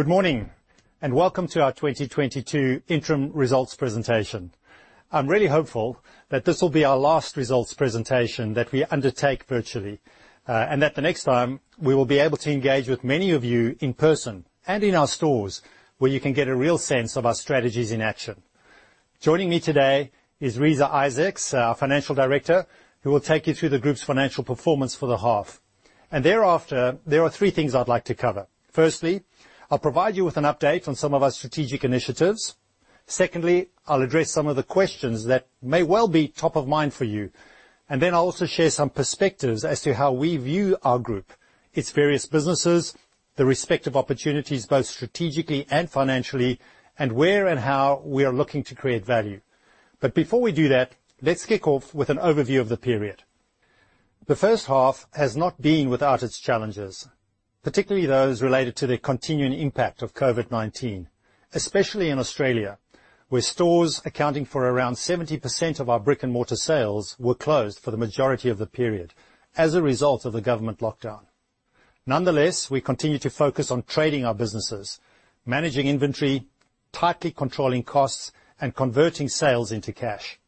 Good morning, and welcome to our 2022 interim results presentation. I'm really hopeful that this will be our last results presentation that we undertake virtually, and that the next time we will be able to engage with many of you in person and in our stores, where you can get a real sense of our strategies in action. Joining me today is Reeza Isaacs, our Financial Director, who will take you through the group's financial performance for the half. Thereafter, there are three things I'd like to cover. Firstly, I'll provide you with an update on some of our strategic initiatives. Secondly, I'll address some of the questions that may well be top of mind for you. Then I'll also share some perspectives as to how we view our group, its various businesses, the respective opportunities, both strategically and financially, and where and how we are looking to create value. Before we do that, let's kick off with an overview of the period. The first half has not been without its challenges, particularly those related to the continuing impact of COVID-19, especially in Australia, where stores accounting for around 70% of our brick-and-mortar sales were closed for the majority of the period as a result of the government lockdown. Nonetheless, we continue to focus on trading our businesses, managing inventory, tightly controlling costs, and converting sales into cash.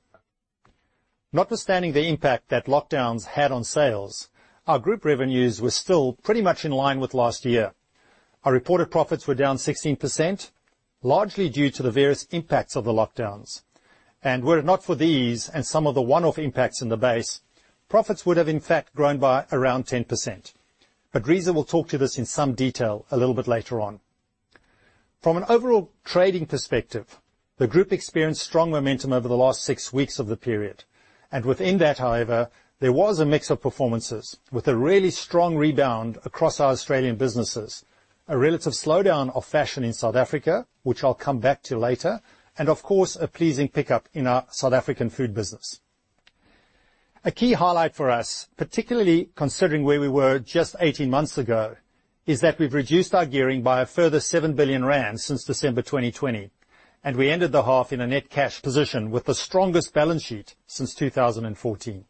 Notwithstanding the impact that lockdowns had on sales, our group revenues were still pretty much in line with last year. Our reported profits were down 16%, largely due to the various impacts of the lockdowns. Were it not for these and some of the one-off impacts in the base, profits would have in fact grown by around 10%. Reeza will talk to this in some detail a little bit later on. From an overall trading perspective, the group experienced strong momentum over the last six weeks of the period. Within that, however, there was a mix of performances with a really strong rebound across our Australian businesses, a relative slowdown of fashion in South Africa, which I'll come back to later, and of course, a pleasing pickup in our South African food business. A key highlight for us, particularly considering where we were just 18 months ago, is that we've reduced our gearing by a further 7 billion rand since December 2020, and we ended the half in a net cash position with the strongest balance sheet since 2014.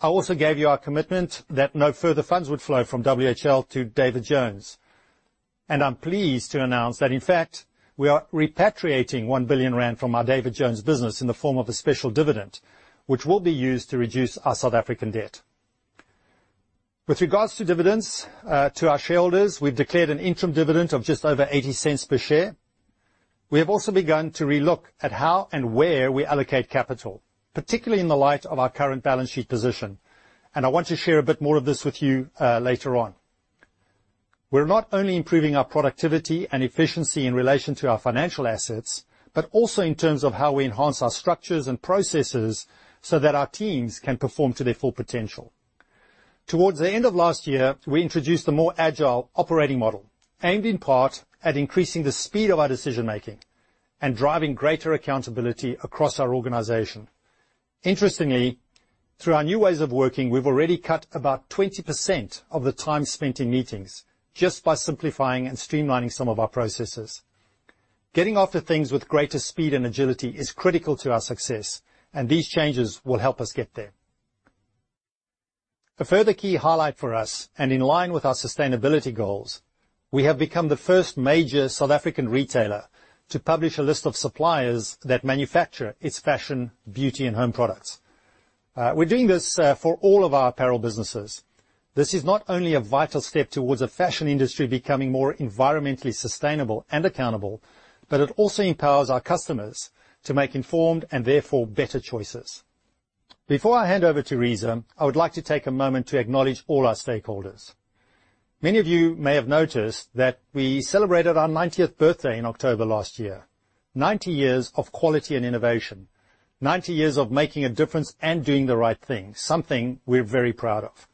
I also gave you our commitment that no further funds would flow from WHL to David Jones, and I'm pleased to announce that, in fact, we are repatriating 1 billion rand from our David Jones business in the form of a special dividend, which will be used to reduce our South African debt. With regards to dividends to our shareholders, we've declared an interim dividend of just over 0.80 per share. We have also begun to relook at how and where we allocate capital, particularly in the light of our current balance sheet position, and I want to share a bit more of this with you later on. We're not only improving our productivity and efficiency in relation to our financial assets, but also in terms of how we enhance our structures and processes so that our teams can perform to their full potential. Towards the end of last year, we introduced a more agile operating model aimed in part at increasing the speed of our decision-making and driving greater accountability across our organization. Interestingly, through our new ways of working, we've already cut about 20% of the time spent in meetings just by simplifying and streamlining some of our processes. Getting after things with greater speed and agility is critical to our success, and these changes will help us get there. A further key highlight for us, and in line with our sustainability goals, we have become the first major South African retailer to publish a list of suppliers that manufacture its fashion, beauty, and home products. We're doing this for all of our apparel businesses. This is not only a vital step towards the fashion industry becoming more environmentally sustainable and accountable, but it also empowers our customers to make informed, and therefore better choices. Before I hand over to Reeza, I would like to take a moment to acknowledge all our stakeholders. Many of you may have noticed that we celebrated our 90th birthday in October last year. 90 years of quality and innovation, 90 years of making a difference and doing the right thing, something we're very proud of.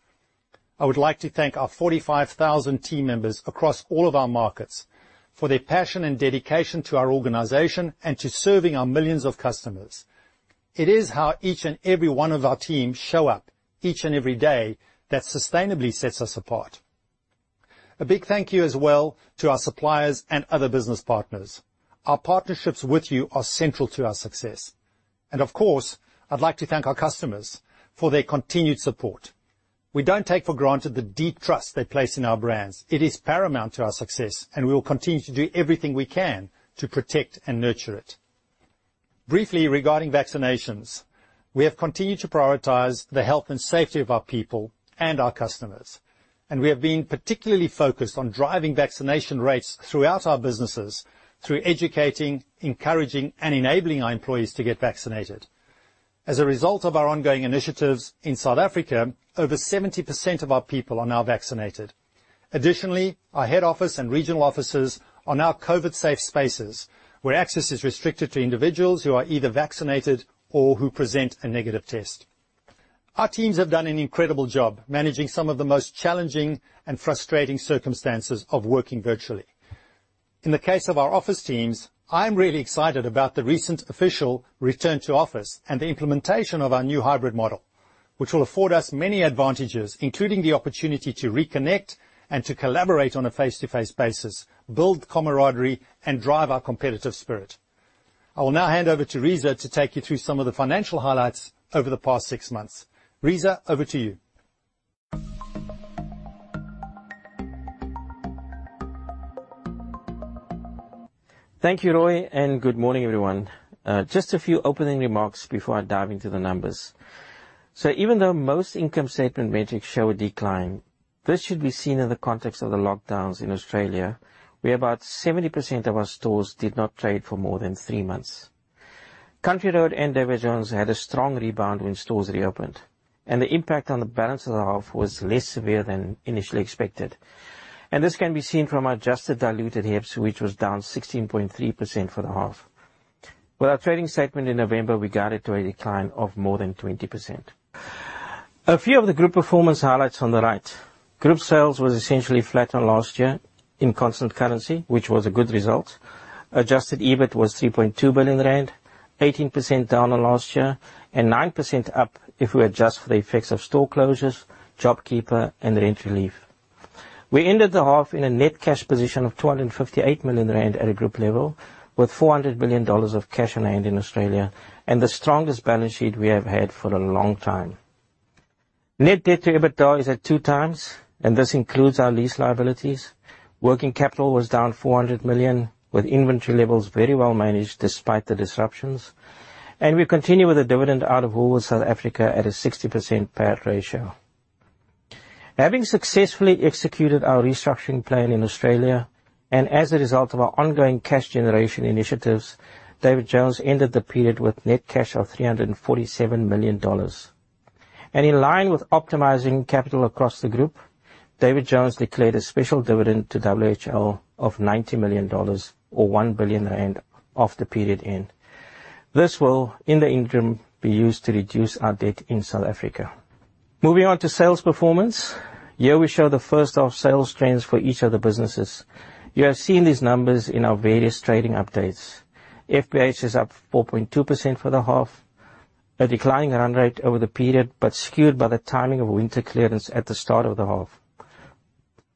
I would like to thank our 45,000 team members across all of our markets for their passion and dedication to our organization and to serving our millions of customers. It is how each and every one of our team show up each and every day that sustainably sets us apart. A big thank you as well to our suppliers and other business partners. Our partnerships with you are central to our success. Of course, I'd like to thank our customers for their continued support. We don't take for granted the deep trust they place in our brands. It is paramount to our success, and we will continue to do everything we can to protect and nurture it. Briefly regarding vaccinations, we have continued to prioritize the health and safety of our people and our customers, and we have been particularly focused on driving vaccination rates throughout our businesses through educating, encouraging, and enabling our employees to get vaccinated. As a result of our ongoing initiatives in South Africa, over 70% of our people are now vaccinated. Additionally, our head office and regional offices are now COVID-safe spaces where access is restricted to individuals who are either vaccinated or who present a negative test. Our teams have done an incredible job managing some of the most challenging and frustrating circumstances of working virtually. In the case of our office teams, I'm really excited about the recent official return to office and the implementation of our New Hybrid Model, which will afford us many advantages, including the opportunity to reconnect and to collaborate on a face-to-face basis, build camaraderie, and drive our competitive spirit. I will now hand over to Reeza to take you through some of the financial highlights over the past six months. Reeza, over to you. Thank you, Roy, and good morning, everyone. Just a few opening remarks before I dive into the numbers. Even though most income statement metrics show a decline, this should be seen in the context of the lockdowns in Australia, where about 70% of our stores did not trade for more than three months. Country Road and David Jones had a strong rebound when stores reopened, and the impact on the balance of the 1/2 was less severe than initially expected. This can be seen from our adjusted diluted EPS, which was down 16.3% for the 1/2. With our trading statement in November, we guided to a decline of more than 20%. A few of the group performance highlights on the right. Group sales was essentially flat on last year in constant currency, which was a good result. Adjusted EBIT was 3.2 billion rand, 18% down on last year and 9% up if we adjust for the effects of store closures, JobKeeper and rent relief. We ended the 1/2 in a net cash position of 258 million rand at a group level, with 400 billion dollars of cash on hand in Australia and the strongest balance sheet we have had for a long time. Net debt to EBITDA is at 2x, and this includes our lease liabilities. Working capital was down 400 million, with inventory levels very well managed despite the disruptions. We continue with the dividend out of Woolworths South Africa at a 60% payout ratio. Having successfully executed our restructuring plan in Australia and as a result of our ongoing cash generation initiatives, David Jones ended the period with net cash of 347 million dollars. In line with optimizing capital across the group, David Jones declared a special dividend to WHL of 90 million dollars or 1 billion rand as of the period end. This will, in the interim, be used to reduce our debt in South Africa. Moving on to sales performance. Here we show the first-1/2 sales trends for each of the businesses. You have seen these numbers in our various trading updates. FBH is up 4.2% for the 1/2, a declining run rate over the period, but skewed by the timing of winter clearance at the start of the 1/2.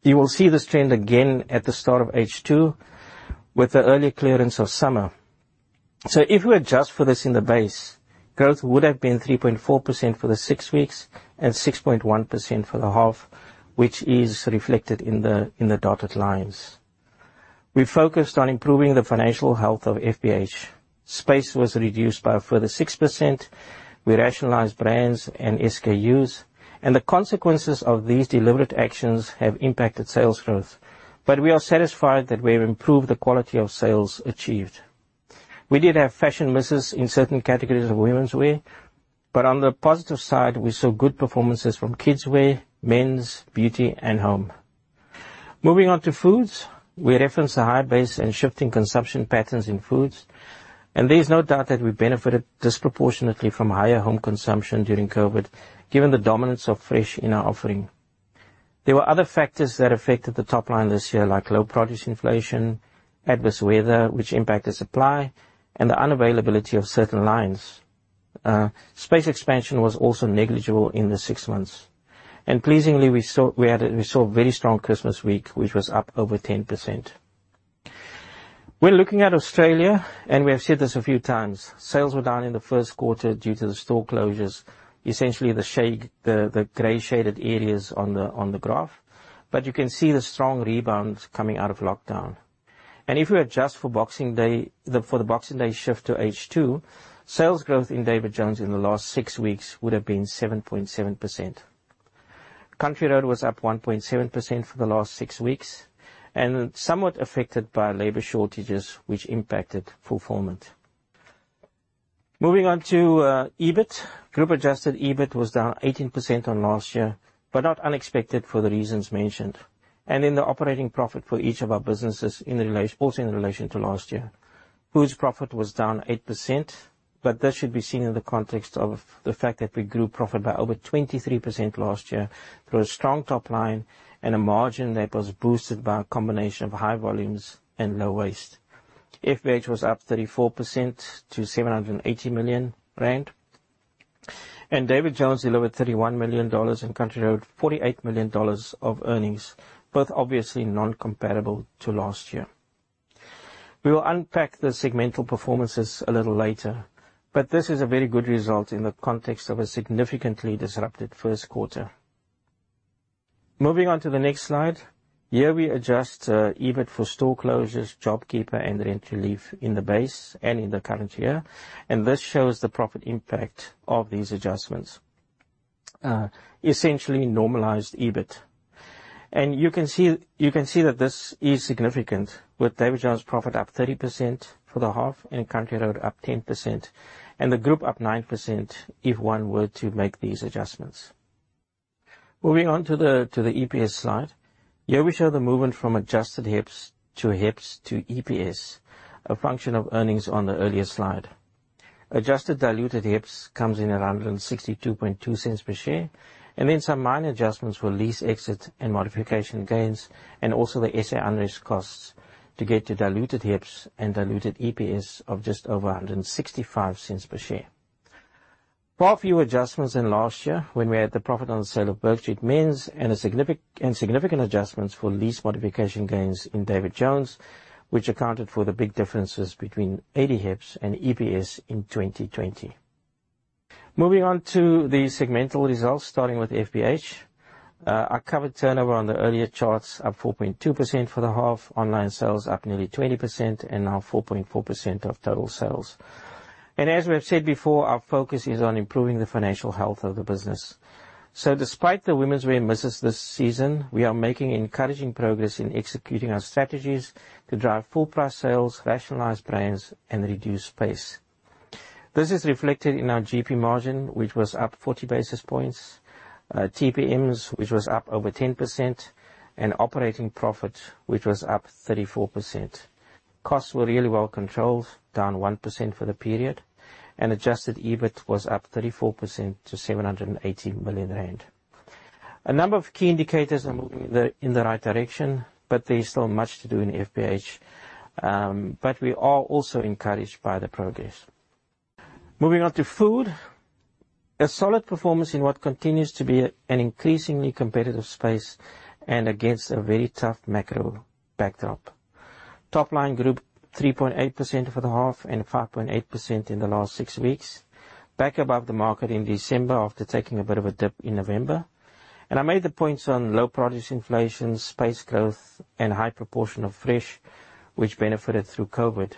You will see this trend again at the start of H2 with the early clearance of summer. If we adjust for this in the base, growth would have been 3.4% for the six weeks and 6.1% for the half, which is reflected in the dotted lines. We focused on improving the financial health of FBH. Space was reduced by a further 6%. We rationalized brands and SKUs, and the consequences of these deliberate actions have impacted sales growth. We are satisfied that we have improved the quality of sales achieved. We did have fashion misses in certain categories of womenswear, but on the positive side, we saw good performances from kids wear, men's, beauty and home. Moving on to Foods, we reference the high base and shifting consumption patterns in Foods, and there is no doubt that we benefited disproportionately from higher home consumption during COVID, given the dominance of fresh in our offering. There were other factors that affected the top line this year, like low produce inflation, adverse weather which impacted supply, and the unavailability of certain lines. Space expansion was also negligible in the six months. Pleasingly, we saw a very strong Christmas week, which was up over 10%. We're looking at Australia, and we have said this a few times. Sales were down in the first quarter due to the store closures, essentially the gray shaded areas on the graph. You can see the strong rebound coming out of lockdown. If we adjust for Boxing Day, for the Boxing Day shift to H2, sales growth in David Jones in the last six weeks would have been 7.7%. Country Road was up 1.7% for the last six weeks and somewhat affected by labor shortages, which impacted fulfillment. Moving on to EBIT. Group adjusted EBIT was down 18% on last year, but not unexpected for the reasons mentioned. In the operating profit for each of our businesses in relation to last year. Foods profit was down 8%, but this should be seen in the context of the fact that we grew profit by over 23% last year through a strong top line and a margin that was boosted by a combination of high volumes and low waste. FBH was up 34% to 780 million rand, and David Jones delivered 31 million dollars and Country Road 48 million dollars of earnings, both obviously non-comparable to last year. We will unpack the segmental performances a little later, but this is a very good result in the context of a significantly disrupted first quarter. Moving on to the next slide. Here we adjust EBIT for store closures, Job Keeper and rent relief in the base and in the current year. This shows the profit impact of these adjustments, essentially normalized EBIT. You can see that this is significant with David Jones' profit up 30% for the 1/2 and Country Road up 10% and the group up 9% if one were to make these adjustments. Moving on to the EPS slide. Here we show the movement from adjusted EPS to EPS, a function of earnings on the earlier slide. Adjusted diluted EPS comes in at 1.622 per share, and then some minor adjustments for lease exit and modification gains, and also the SA unrest costs to get to diluted EPS of just over 1.65 per share. Far fewer adjustments than last year when we had the profit on the sale of Bergstrom Men's and significant adjustments for lease modification gains in David Jones, which accounted for the big differences between AD EPS and EPS in 2020. Moving on to the segmental results, starting with FBH. I covered turnover on the earlier charts, up 4.2% for the half, online sales up nearly 20% and now 4.4% of total sales. As we have said before, our focus is on improving the financial health of the business. Despite the women's wear misses this season, we are making encouraging progress in executing our strategies to drive full price sales, rationalize brands and reduce space. This is reflected in our GP margin, which was up 40 basis points, TPMs, which was up over 10%, and Operating Profit, which was up 34%. Costs were really well controlled, down 1% for the period, and adjusted EBIT was up 34% to 780 million rand. A number of key indicators are moving in the right direction, but there is still much to do in FBH. We are also encouraged by the progress. Moving on to food. A solid performance in what continues to be an increasingly competitive space and against a very tough macro backdrop. Top line growth 3.8% for the half and 5.8% in the last six weeks, back above the market in December after taking a bit of a dip in November. I made the points on low produce inflation, space growth, and high proportion of fresh, which benefited through Covid.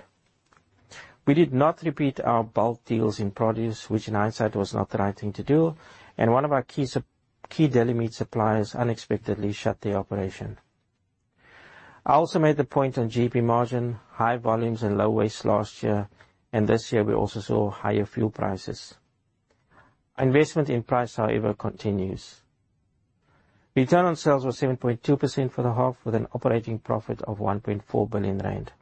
We did not repeat our bulk deals in produce, which in hindsight was not the right thing to do, and one of our key daily meat suppliers unexpectedly shut their operation. I also made the point on GP margin, high volumes and low waste last year, and this year we also saw higher fuel prices. Investment in price, however, continues. Return on sales was 7.2% for the half, with an operating profit of 1.4 billion rand.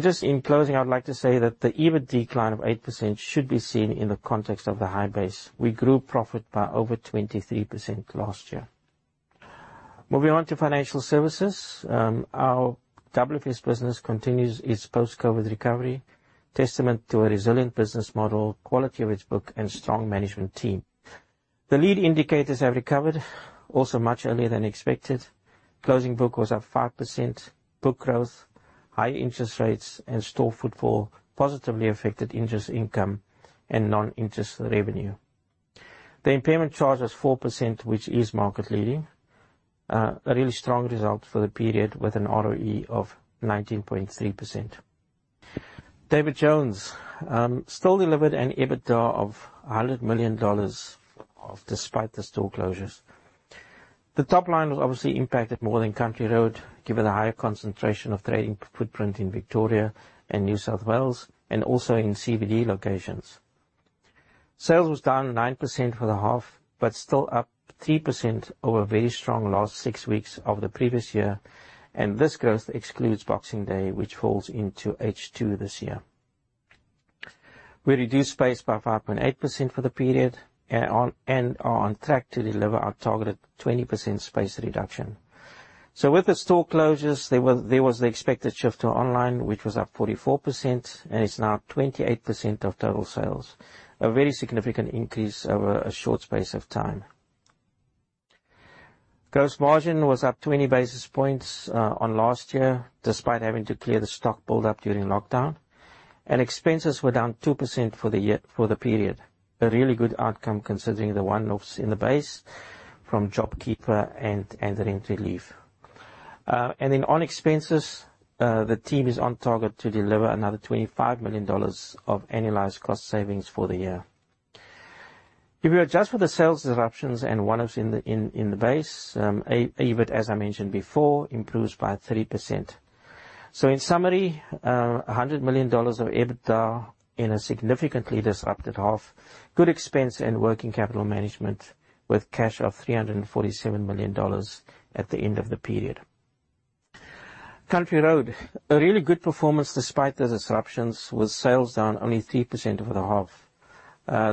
Just in closing, I'd like to say that the EBIT decline of 8% should be seen in the context of the high base. We grew profit by over 23% last year. Moving on to financial services. Our WFS business continues its post-COVID recovery, testament to a resilient business model, quality of its book and strong management team. The lead indicators have recovered also much earlier than expected. Closing book was up 5%. Book growth, high interest rates and store footfall positively affected interest income and non-interest revenue. The impairment charge was 4%, which is market leading. A really strong result for the period with an ROE of 19.3%. David Jones still delivered an EBITDA of 100 million dollars despite the store closures. The top line was obviously impacted more than Country Road, given the higher concentration of trading footprint in Victoria and New South Wales and also in CBD locations. Sales was down 9% for the half, but still up 3% over a very strong last six weeks of the previous year. This growth excludes Boxing Day, which falls into H2 this year. We reduced space by 5.8% for the period and are on track to deliver our targeted 20% space reduction. With the store closures, there was the expected shift to online, which was up 44% and is now 28% of total sales. A very significant increase over a short space of time. Gross margin was up 20 basis points on last year, despite having to clear the stock build up during lockdown, and expenses were down 2% for the year, for the period. A really good outcome considering the one-offs in the base from JobKeeper and the rent relief. On expenses, the team is on target to deliver another 25 million dollars of annualized cost savings for the year. If you adjust for the sales disruptions and one-offs in the base, A-EBIT, as I mentioned before, improves by 3%. In summary, 100 million dollars of EBITDA in a significantly disrupted half, good expense and working capital management with cash of 347 million dollars at the end of the period. Country Road, a really good performance despite the disruptions with sales down only 3% for the half.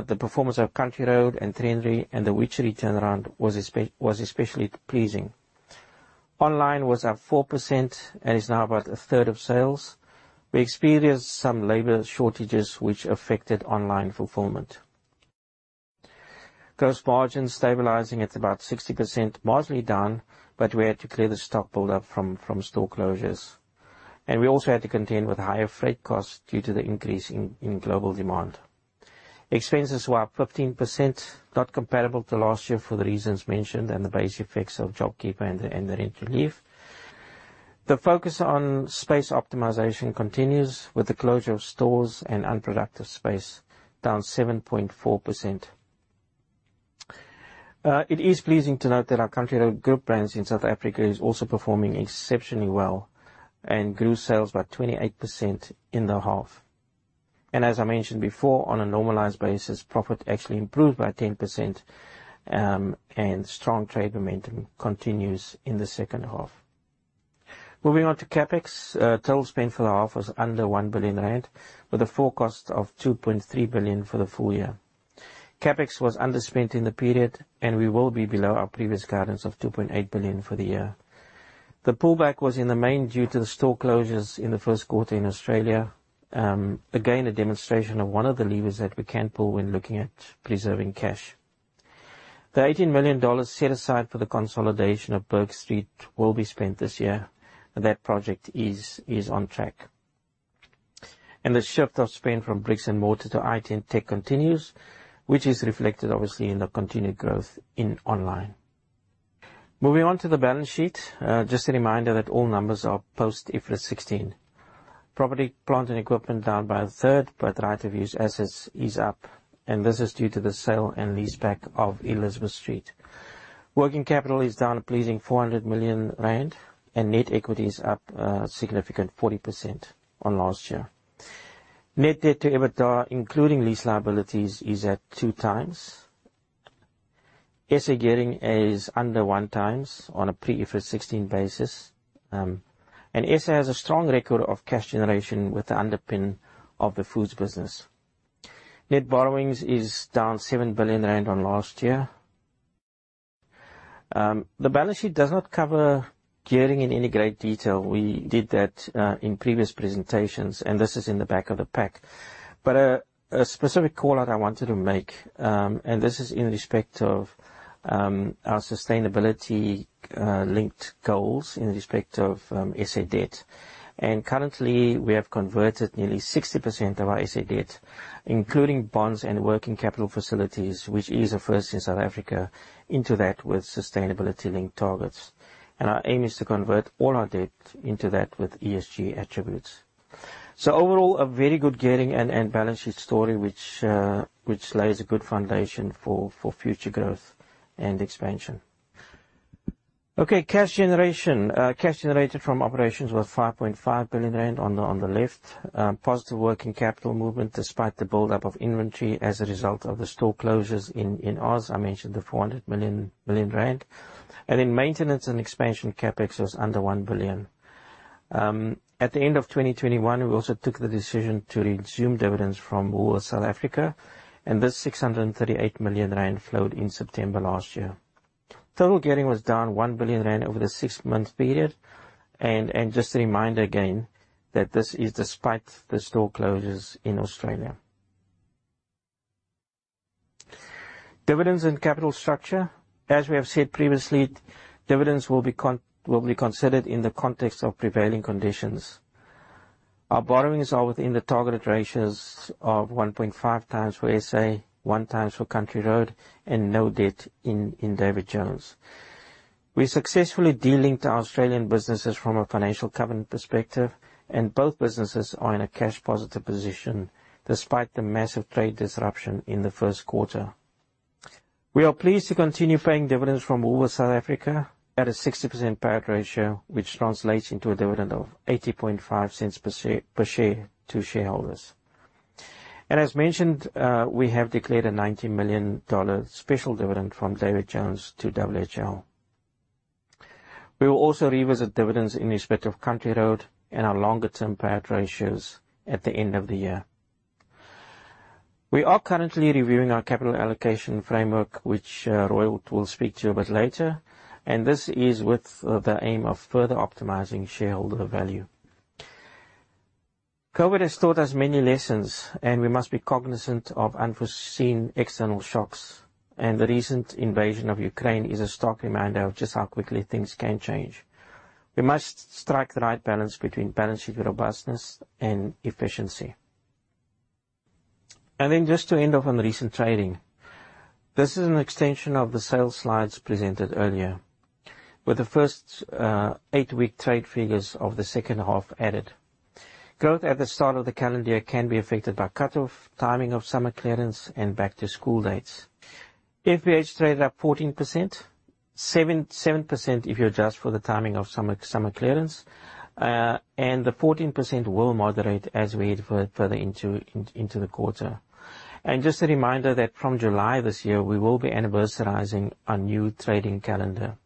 The performance of Country Road and Trenery and the Witchery turnaround was especially pleasing. Online was up 4% and is now about a third of sales. We experienced some labor shortages which affected online fulfillment. Gross margin stabilizing at about 60%, marginally down, but we had to clear the stock build up from store closures. We also had to contend with higher freight costs due to the increase in global demand. Expenses were up 15%, not comparable to last year for the reasons mentioned and the base effects of JobKeeper and the rent relief. The focus on space optimization continues with the closure of stores and unproductive space down 7.4%. It is pleasing to note that our Country Road Group brands in South Africa is also performing exceptionally well and grew sales by 28% in the half. As I mentioned before, on a normalized basis, profit actually improved by 10%, and strong trade momentum continues in the second half. Moving on to CapEx. Total spend for the half was under 1 billion rand, with a forecast of 2.3 billion for the full year. CapEx was underspent in the period, and we will be below our previous guidance of 2.8 billion for the year. The pullback was in the main due to the store closures in the first quarter in Australia. Again, a demonstration of one of the levers that we can pull when looking at preserving cash. The 18 million dollars set aside for the consolidation of Bourke Street will be spent this year. That project is on track. The shift of spend from bricks and mortar to IT and tech continues, which is reflected obviously in the continued growth in online. Moving on to the balance sheet. Just a reminder that all numbers are post IFRS 16. Property, plant, and equipment down by a third, but right of use assets is up, and this is due to the sale and leaseback of Elizabeth Street. Working capital is down a pleasing 400 million rand, and net equity is up a significant 40% on last year. Net debt to EBITDA, including lease liabilities, is at 2x. SA Gearing is under 1x on a pre-IFRS 16 basis. SA has a strong record of cash generation with the underpin of the Foods business. Net borrowings is down 7 billion rand on last year. The balance sheet does not cover gearing in any great detail. We did that in previous presentations, and this is in the back of the pack. A specific call-out I wanted to make, and this is in respect of our sustainability-linked goals in respect of SA debt. Currently, we have converted nearly 60% of our SA debt, including bonds and working capital facilities, which is a first in South Africa, into that with sustainability-linked targets. Our aim is to convert all our debt into that with ESG attributes. Overall, a very good gearing and balance sheet story which lays a good foundation for future growth and expansion. Okay, cash generation. Cash generated from operations was 5.5 billion rand on the left. Positive working capital movement despite the buildup of inventory as a result of the store closures in Aus. I mentioned the 400 million. In maintenance and expansion, CapEx was under 1 billion. At the end of 2021, we also took the decision to resume dividends from Woolworths South Africa, and this 638 million rand flowed in September last year. Total gearing was down 1 billion rand over the six-month period. Just a reminder again that this is despite the store closures in Australia. Dividends and capital structure. As we have said previously, dividends will be considered in the context of prevailing conditions. Our borrowings are within the targeted ratios of 1.5x for SA, 1x for Country Road, and no debt in David Jones. We're successfully de-linked our Australian businesses from a financial covenant perspective, and both businesses are in a cash positive position despite the massive trade disruption in the first quarter. We are pleased to continue paying dividends from Woolworths South Africa at a 60% payout ratio, which translates into a dividend of 0.805 per share to shareholders. As mentioned, we have declared a 90 million dollar special dividend from David Jones to WHL. We will also revisit dividends in respect of Country Road and our longer term payout ratios at the end of the year. We are currently reviewing our capital allocation framework, which Roy will speak to a bit later, and this is with the aim of further optimizing shareholder value. COVID has taught us many lessons, and we must be cognizant of unforeseen external shocks. The recent invasion of Ukraine is a stark reminder of just how quickly things can change. We must strike the right balance between balance sheet robustness and efficiency. Just to end off on recent trading. This is an extension of the sales slides presented earlier, with the first eight-week trade figures of the second half added. Growth at the start of the calendar year can be affected by cutoff, timing of summer clearance, and back to school dates. FBH traded up 14%, 7% if you adjust for the timing of summer clearance. The 14% will moderate as we head further into the quarter. Just a reminder that from July this year, we will be anniversarizing our new trading calendar.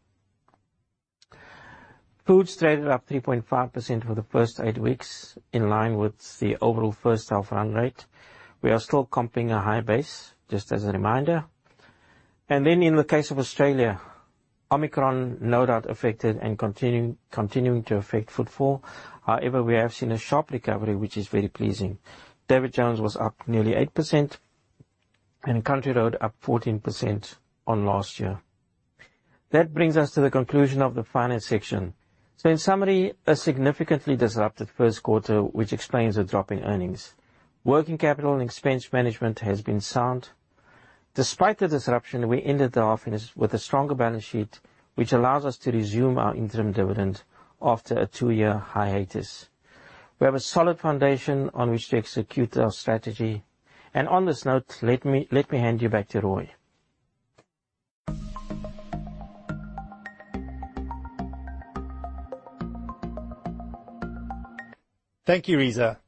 Foods traded up 3.5% for the first eight weeks, in line with the overall first 1/2 run rate. We are still comping a high base, just as a reminder. Then in the case of Australia, Omicron no doubt affected and continuing to affect footfall. However, we have seen a sharp recovery, which is very pleasing. David Jones was up nearly 8% and Country Road up 14% on last year. That brings us to the conclusion of the finance section. In summary, a significantly disrupted first quarter, which explains the drop in earnings. Working capital and expense management has been sound. Despite the disruption, we ended the half with a stronger balance sheet, which allows us to resume our interim dividend after a two-year hiatus. We have a solid foundation on which to execute our strategy. On this note, let me hand you back to Roy. Thank you, Reeza.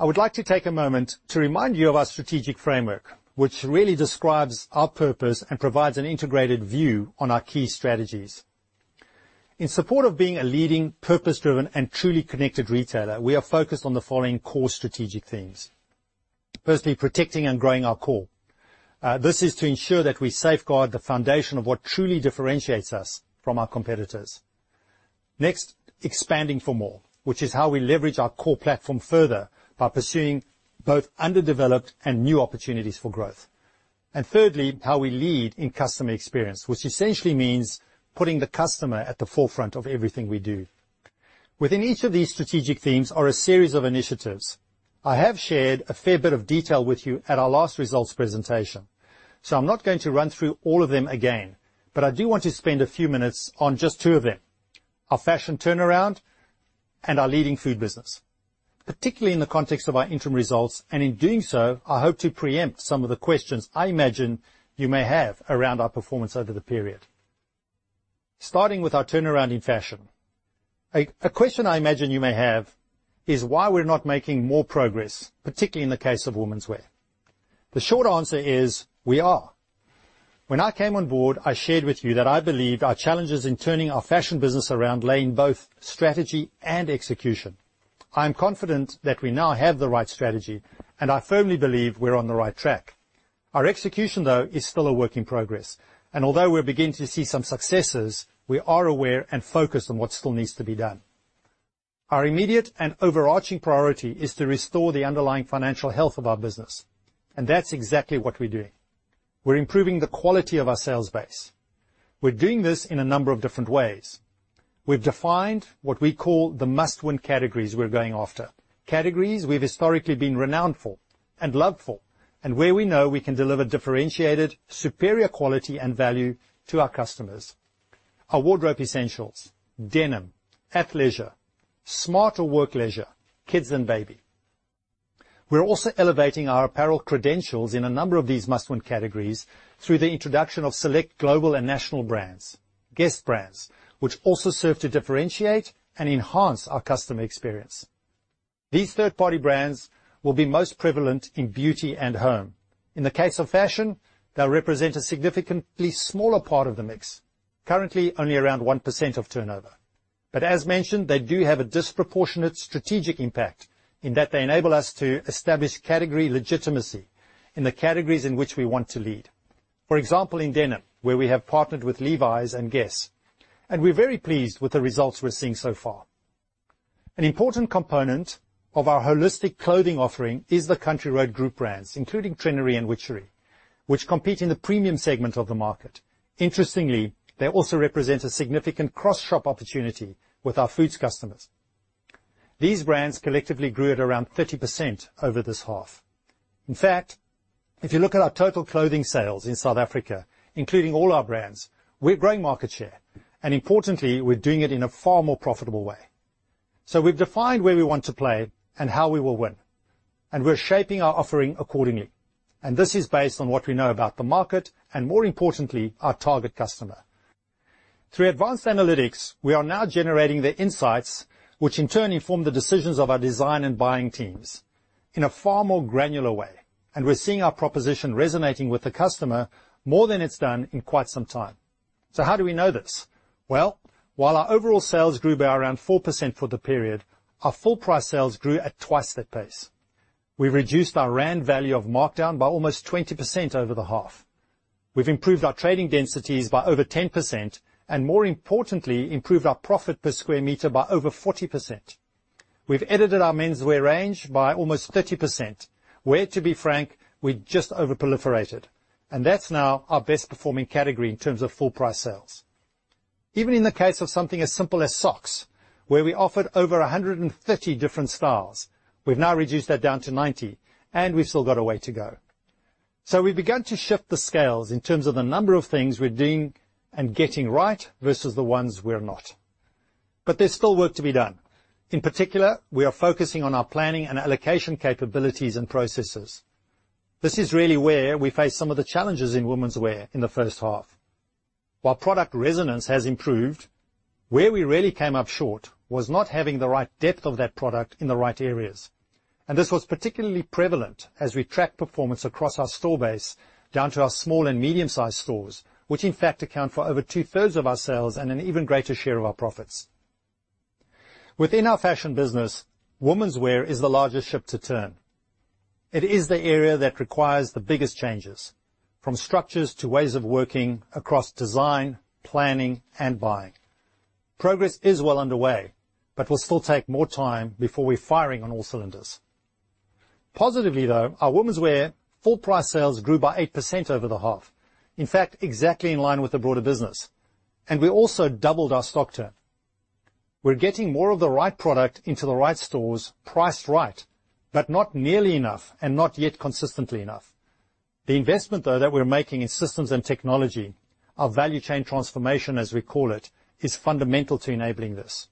I would like to take a moment to remind you of our strategic framework, which really describes our purpose and provides an integrated view on our key strategies. In support of being a leading purpose-driven and truly connected retailer, we are focused on the following core strategic themes. Firstly, protecting and growing our core. This is to ensure that we safeguard the foundation of what truly differentiates us from our competitors. Next, expanding for more, which is how we leverage our core platform further by pursuing both underdeveloped and new opportunities for growth. Thirdly, how we lead in customer experience, which essentially means putting the customer at the forefront of everything we do. Within each of these strategic themes are a series of initiatives. I have shared a fair bit of detail with you at our last results presentation, so I'm not going to run through all of them again. I do want to spend a few minutes on just two of them, our fashion turnaround and our leading food business, particularly in the context of our interim results. In doing so, I hope to preempt some of the questions I imagine you may have around our performance over the period. Starting with our turnaround in fashion. A question I imagine you may have is why we're not making more progress, particularly in the case of womenswear. The short answer is, we are. When I came on board, I shared with you that I believed our challenges in turning our fashion business around lay in both strategy and execution. I am confident that we now have the right strategy, and I firmly believe we're on the right track. Our execution, though, is still a work in progress, and although we're beginning to see some successes, we are aware and focused on what still needs to be done. Our immediate and overarching priority is to restore the underlying financial health of our business, and that's exactly what we're doing. We're improving the quality of our sales base. We're doing this in a number of different ways. We've defined what we call the must-win categories we're going after. Categories we've historically been renowned for and loved for, and where we know we can deliver differentiated, superior quality and value to our customers. Our wardrobe essentials, denim, athleisure, smart or work leisure, kids and baby. We're also elevating our apparel credentials in a number of these must-win categories through the introduction of select global and national brands, guest brands, which also serve to differentiate and enhance our customer experience. These third-party brands will be most prevalent in beauty and home. In the case of fashion, they'll represent a significantly smaller part of the mix, currently only around 1% of turnover. But as mentioned, they do have a disproportionate strategic impact in that they enable us to establish category legitimacy in the categories in which we want to lead. For example, in denim, where we have partnered with Levi's and Guess. We're very pleased with the results we're seeing so far. An important component of our holistic clothing offering is the Country Road Group brands, including Trenery and Witchery, which compete in the premium segment of the market. Interestingly, they also represent a significant cross-shop opportunity with our foods customers. These brands collectively grew at around 30% over this half. In fact, if you look at our total clothing sales in South Africa, including all our brands, we're growing market share. Importantly, we're doing it in a far more profitable way. We've defined where we want to play and how we will win, and we're shaping our offering accordingly. This is based on what we know about the market, and more importantly, our target customer. Through advanced analytics, we are now generating the insights which in turn inform the decisions of our design and buying teams in a far more granular way. We're seeing our proposition resonating with the customer more than it's done in quite some time. How do we know this? Well, while our overall sales grew by around 4% for the period, our full price sales grew at twice that pace. We reduced our rand value of markdown by almost 20% over the half. We've improved our trading densities by over 10%, and more importantly, improved our profit per sq m by over 40%. We've edited our menswear range by almost 30%, where, to be frank, we just over proliferated. That's now our best-performing category in terms of full price sales. Even in the case of something as simple as socks, where we offered over 130 different styles, we've now reduced that down to 90, and we've still got a way to go. We've begun to shift the scales in terms of the number of things we're doing and getting right versus the ones we're not. There's still work to be done. In particular, we are focusing on our planning and allocation capabilities and processes. This is really where we face some of the challenges in womenswear in the first half. While product resonance has improved, where we really came up short was not having the right depth of that product in the right areas. This was particularly prevalent as we tracked performance across our store base down to our small and medium-sized stores, which in fact account for over 2/3 of our sales and an even greater share of our profits. Within our fashion business, womenswear is the largest ship to turn. It is the area that requires the biggest changes, from structures to ways of working across design, planning, and buying. Progress is well underway, but will still take more time before we're firing on all cylinders. Positively though, our womenswear full price sales grew by 8% over the half. In fact, exactly in line with the broader business. We also doubled our stock turn. We're getting more of the right product into the right stores, priced right, but not nearly enough and not yet consistently enough. The investment, though, that we're making in systems and technology, our value chain transformation, as we call it, is fundamental to enabling this.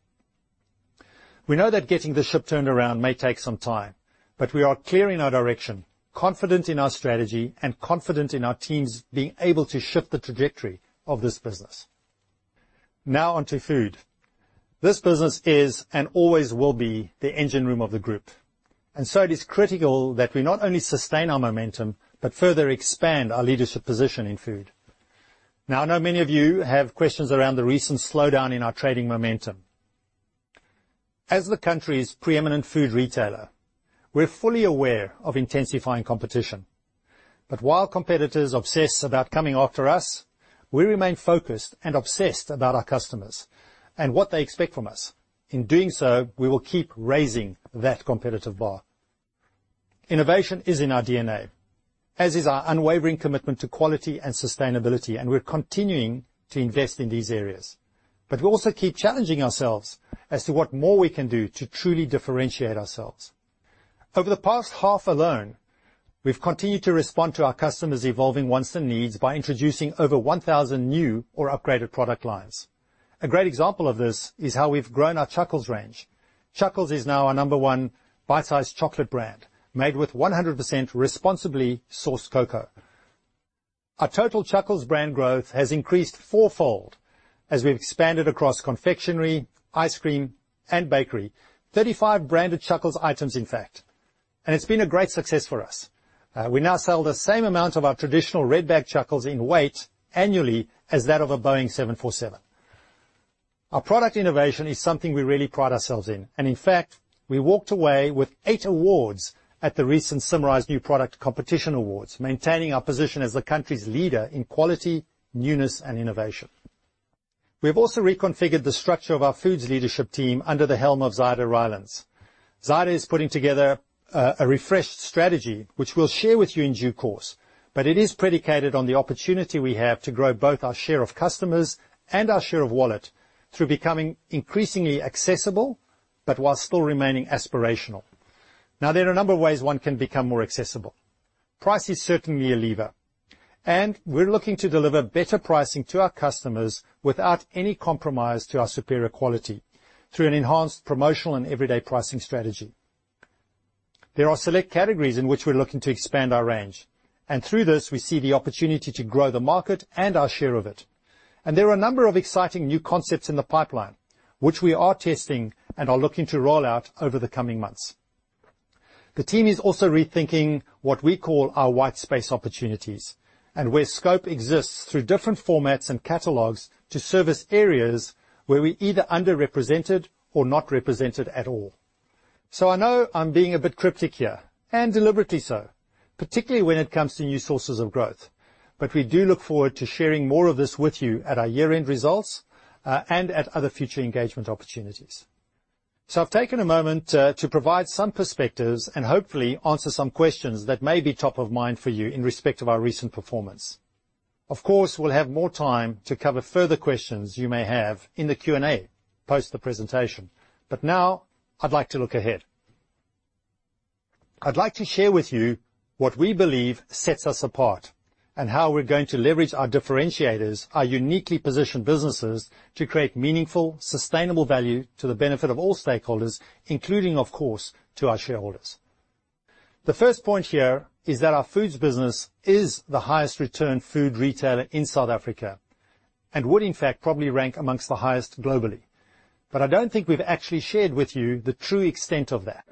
We know that getting the ship turned around may take some time, but we are clear in our direction, confident in our strategy, and confident in our teams being able to shift the trajectory of this business. Now on to food. This business is, and always will be, the engine room of the group. It is critical that we not only sustain our momentum, but further expand our leadership position in food. Now, I know many of you have questions around the recent slowdown in our trading momentum. As the country's preeminent food retailer, we're fully aware of intensifying competition. While competitors obsess about coming after us, we remain focused and obsessed about our customers and what they expect from us. In doing so, we will keep raising that competitive bar. Innovation is in our DNA, as is our unwavering commitment to quality and sustainability, and we're continuing to invest in these areas. We also keep challenging ourselves as to what more we can do to truly differentiate ourselves. Over the past half alone, we've continued to respond to our customers' evolving wants and needs by introducing over 1,000 new or upgraded product lines. A great example of this is how we've grown our Chuckles range. Chuckles is now our number one bite-sized chocolate brand, made with 100% responsibly sourced cocoa. Our total Chuckles brand growth has increased four-fold as we've expanded across confectionery, ice cream, and bakery. 35 branded Chuckles items, in fact. It's been a great success for us. We now sell the same amount of our traditional red bag Chuckles in weight annually as that of a Boeing 747. Our product innovation is something we really pride ourselves in, and in fact, we walked away with eight awards at the recent Symrise New Product Competition Awards, maintaining our position as the country's leader in quality, newness, and innovation. We have also reconfigured the structure of our foods leadership team under the helm of Zyda Rylands. Zyda is putting together a refreshed strategy which we'll share with you in due course, but it is predicated on the opportunity we have to grow both our share of customers and our share of wallet through becoming increasingly accessible, but while still remaining aspirational. Now, there are a number of ways one can become more accessible. Price is certainly a lever, and we're looking to deliver better pricing to our customers without any compromise to our superior quality through an enhanced promotional and everyday pricing strategy. There are select categories in which we're looking to expand our range, and through this we see the opportunity to grow the market and our share of it. There are a number of exciting new concepts in the pipeline which we are testing and are looking to roll out over the coming months. The team is also rethinking what we call our white space opportunities, and where scope exists through different formats and catalogs to service areas where we're either underrepresented or not represented at all. I know I'm being a bit cryptic here, and deliberately so, particularly when it comes to new sources of growth. We do look forward to sharing more of this with you at our year-end results, and at other future engagement opportunities. I've taken a moment to provide some perspectives and hopefully answer some questions that may be top of mind for you in respect of our recent performance. Of course, we'll have more time to cover further questions you may have in the Q&A post the presentation. Now I'd like to look ahead. I'd like to share with you what we believe sets us apart and how we're going to leverage our differentiators, our uniquely positioned businesses, to create meaningful, sustainable value to the benefit of all stakeholders, including, of course, to our shareholders. The first point here is that our foods business is the highest return food retailer in South Africa and would in fact probably rank amongst the highest globally. But I don't think we've actually shared with you the true extent of that.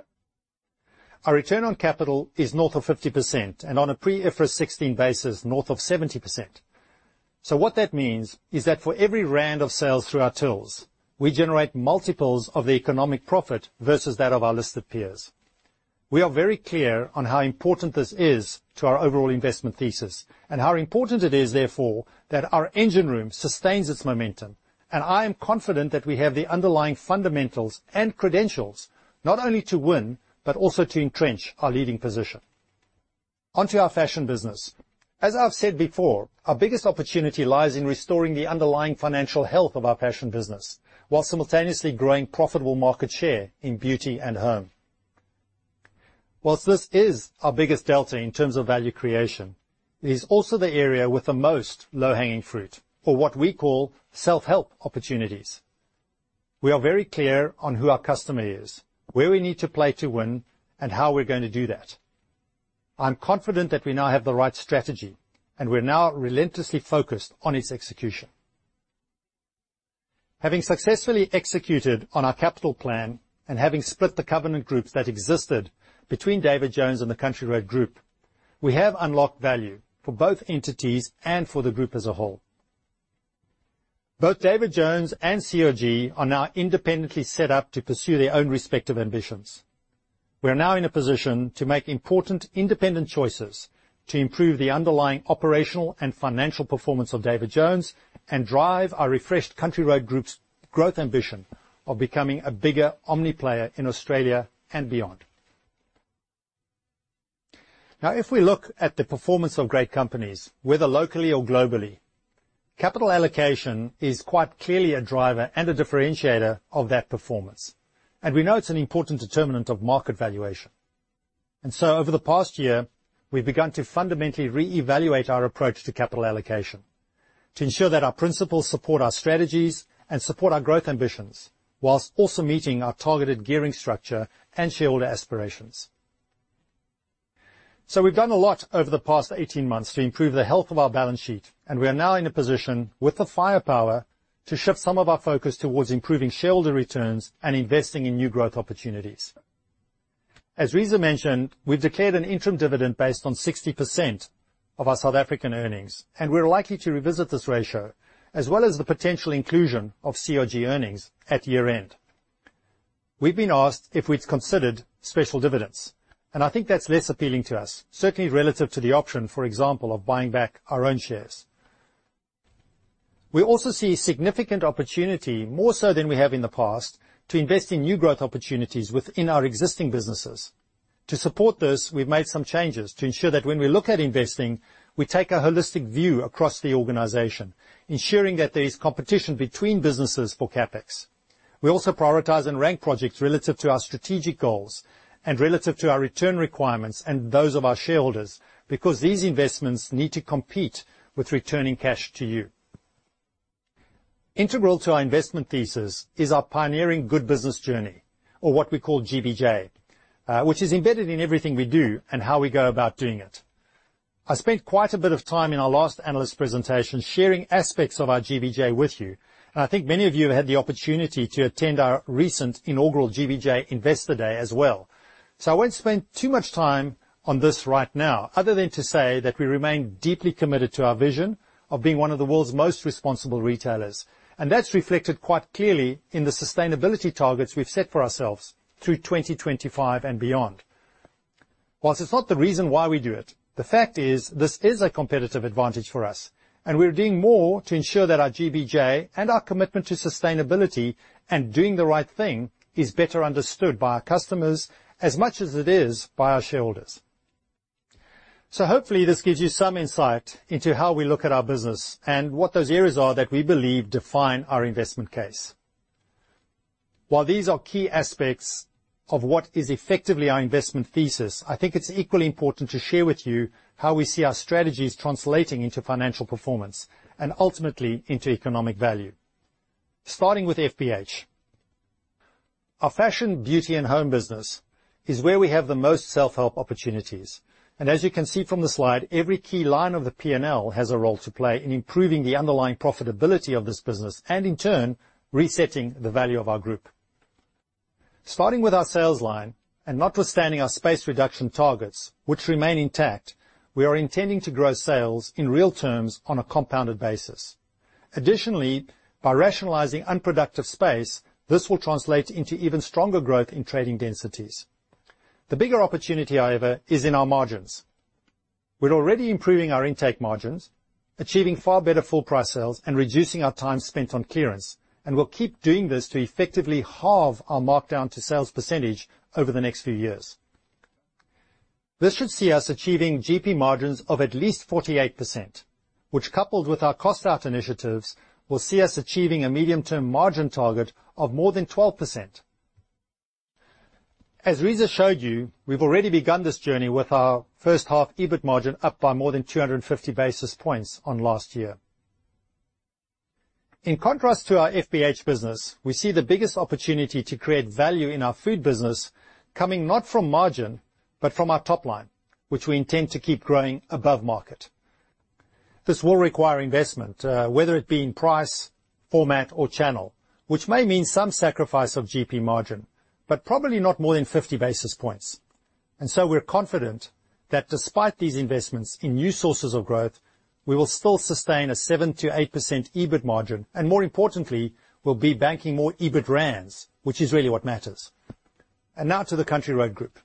Our return on capital is north of 50%, and on a pre-IFRS 16 basis, north of 70%. What that means is that for every rand of sales through our stores, we generate multiples of the economic profit versus that of our listed peers. We are very clear on how important this is to our overall investment thesis, and how important it is therefore, that our engine room sustains its momentum. I am confident that we have the underlying fundamentals and credentials not only to win, but also to entrench our leading position. On to our fashion business. As I've said before, our biggest opportunity lies in restoring the underlying financial health of our fashion business while simultaneously growing profitable market share in beauty and home. While this is our biggest delta in terms of value creation, it is also the area with the most low-hanging fruit, or what we call self-help opportunities. We are very clear on who our customer is, where we need to play to win, and how we're going to do that. I'm confident that we now have the right strategy, and we're now relentlessly focused on its execution. Having successfully executed on our capital plan and having split the covenant groups that existed between David Jones and the Country Road Group, we have unlocked value for both entities and for the group as a whole. Both David Jones and CRG are now independently set up to pursue their own respective ambitions. We are now in a position to make important independent choices to improve the underlying operational and financial performance of David Jones and drive our refreshed Country Road Group's growth ambition of becoming a bigger omni player in Australia and beyond. Now if we look at the performance of great companies, whether locally or globally, capital allocation is quite clearly a driver and a differentiator of that performance. We know it's an important determinant of market valuation. Over the past year, we've begun to fundamentally reevaluate our approach to capital allocation to ensure that our principles support our strategies and support our growth ambitions, while also meeting our targeted gearing structure and shareholder aspirations. We've done a lot over the past 18 months to improve the health of our balance sheet, and we are now in a position with the firepower to shift some of our focus towards improving shareholder returns and investing in new growth opportunities. As Reeza mentioned, we've declared an interim dividend based on 60% of our South African earnings, and we're likely to revisit this ratio, as well as the potential inclusion of COG earnings at year-end. We've been asked if we'd considered special dividends, and I think that's less appealing to us, certainly relative to the option, for example, of buying back our own shares. We also see significant opportunity, more so than we have in the past, to invest in new growth opportunities within our existing businesses. To support this, we've made some changes to ensure that when we look at investing, we take a holistic view across the organization, ensuring that there is competition between businesses for CapEx. We also prioritize and rank projects relative to our strategic goals and relative to our return requirements and those of our shareholders, because these investments need to compete with returning cash to you. Integral to our investment thesis is our pioneering good business journey, or what we call GBJ, which is embedded in everything we do and how we go about doing it. I spent quite a bit of time in our last analyst presentation sharing aspects of our GBJ with you, and I think many of you have had the opportunity to attend our recent inaugural GBJ Investor day as well. I won't spend too much time on this right now, other than to say that we remain deeply committed to our vision of being one of the world's most responsible retailers. That's reflected quite clearly in the sustainability targets we've set for ourselves through 2025 and beyond. While it's not the reason why we do it, the fact is this is a competitive advantage for us, and we're doing more to ensure that our GBJ and our commitment to sustainability and doing the right thing is better understood by our customers as much as it is by our shareholders. Hopefully this gives you some insight into how we look at our business and what those areas are that we believe define our investment case. While these are key aspects of what is effectively our investment thesis, I think it's equally important to share with you how we see our strategies translating into financial performance and ultimately into economic value. Starting with FBH. Our fashion, beauty, and home business is where we have the most self-help opportunities. As you can see from the slide, every key line of the P&L has a role to play in improving the underlying profitability of this business and in turn, resetting the value of our group. Starting with our sales line and notwithstanding our space reduction targets, which remain intact, we are intending to grow sales in real terms on a compounded basis. Additionally, by rationalizing unproductive space, this will translate into even stronger growth in trading densities. The bigger opportunity, however, is in our margins. We're already improving our intake margins, achieving far better full price sales and reducing our time spent on clearance, and we'll keep doing this to effectively halve our markdown to sales % over the next few years. This should see us achieving GP margins of at least 48%, which, coupled with our cost out initiatives, will see us achieving a medium-term margin target of more than 12%. As Reeza showed you, we've already begun this journey with our first half EBIT margin up by more than 250 basis points on last year. In contrast to our FBH business, we see the biggest opportunity to create value in our food business coming not from margin, but from our top line, which we intend to keep growing above market. This will require investment, whether it be in price, format or channel, which may mean some sacrifice of GP margin, but probably not more than 50 basis points. We're confident that despite these investments in new sources of growth, we will still sustain a 7%-8% EBIT margin, and more importantly, will be banking more EBIT rand, which is really what matters. Now to the Country Road Group.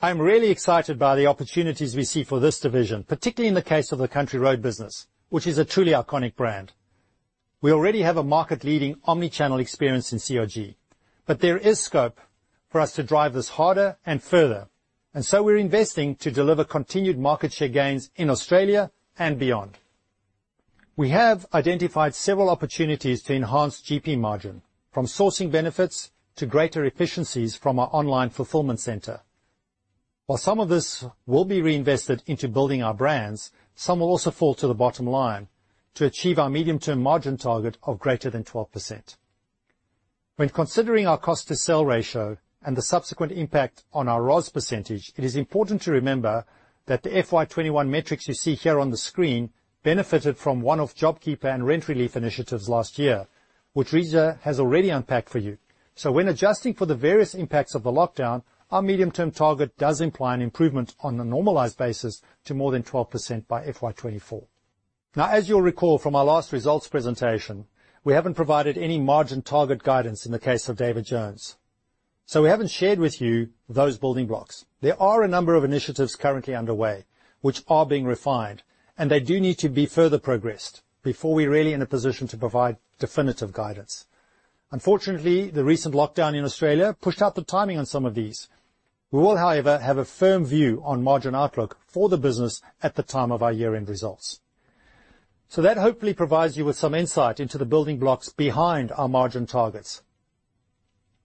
I'm really excited by the opportunities we see for this division, particularly in the case of the Country Road business, which is a truly iconic brand. We already have a market-leading omni-channel experience in CRG, but there is scope for us to drive this harder and further. We're investing to deliver continued market share gains in Australia and beyond. We have identified several opportunities to enhance GP margin, from sourcing benefits to greater efficiencies from our online fulfillment center. While some of this will be reinvested into building our brands, some will also fall to the bottom line to achieve our medium-term margin target of greater than 12%. When considering our cost to sell ratio and the subsequent impact on our ROS %, it is important to remember that the FY 2021 metrics you see here on the screen benefited from one-off JobKeeper and rent relief initiatives last year, which Reeza has already unpacked for you. When adjusting for the various impacts of the lockdown, our medium-term target does imply an improvement on a normalized basis to more than 12% by FY 2024. Now, as you'll recall from our last results presentation, we haven't provided any margin target guidance in the case of David Jones. We haven't shared with you those building blocks. There are a number of initiatives currently underway which are being refined, and they do need to be further progressed before we're really in a position to provide definitive guidance. Unfortunately, the recent lockdown in Australia pushed out the timing on some of these. We will, however, have a firm view on margin outlook for the business at the time of our year-end results. That hopefully provides you with some insight into the building blocks behind our margin targets.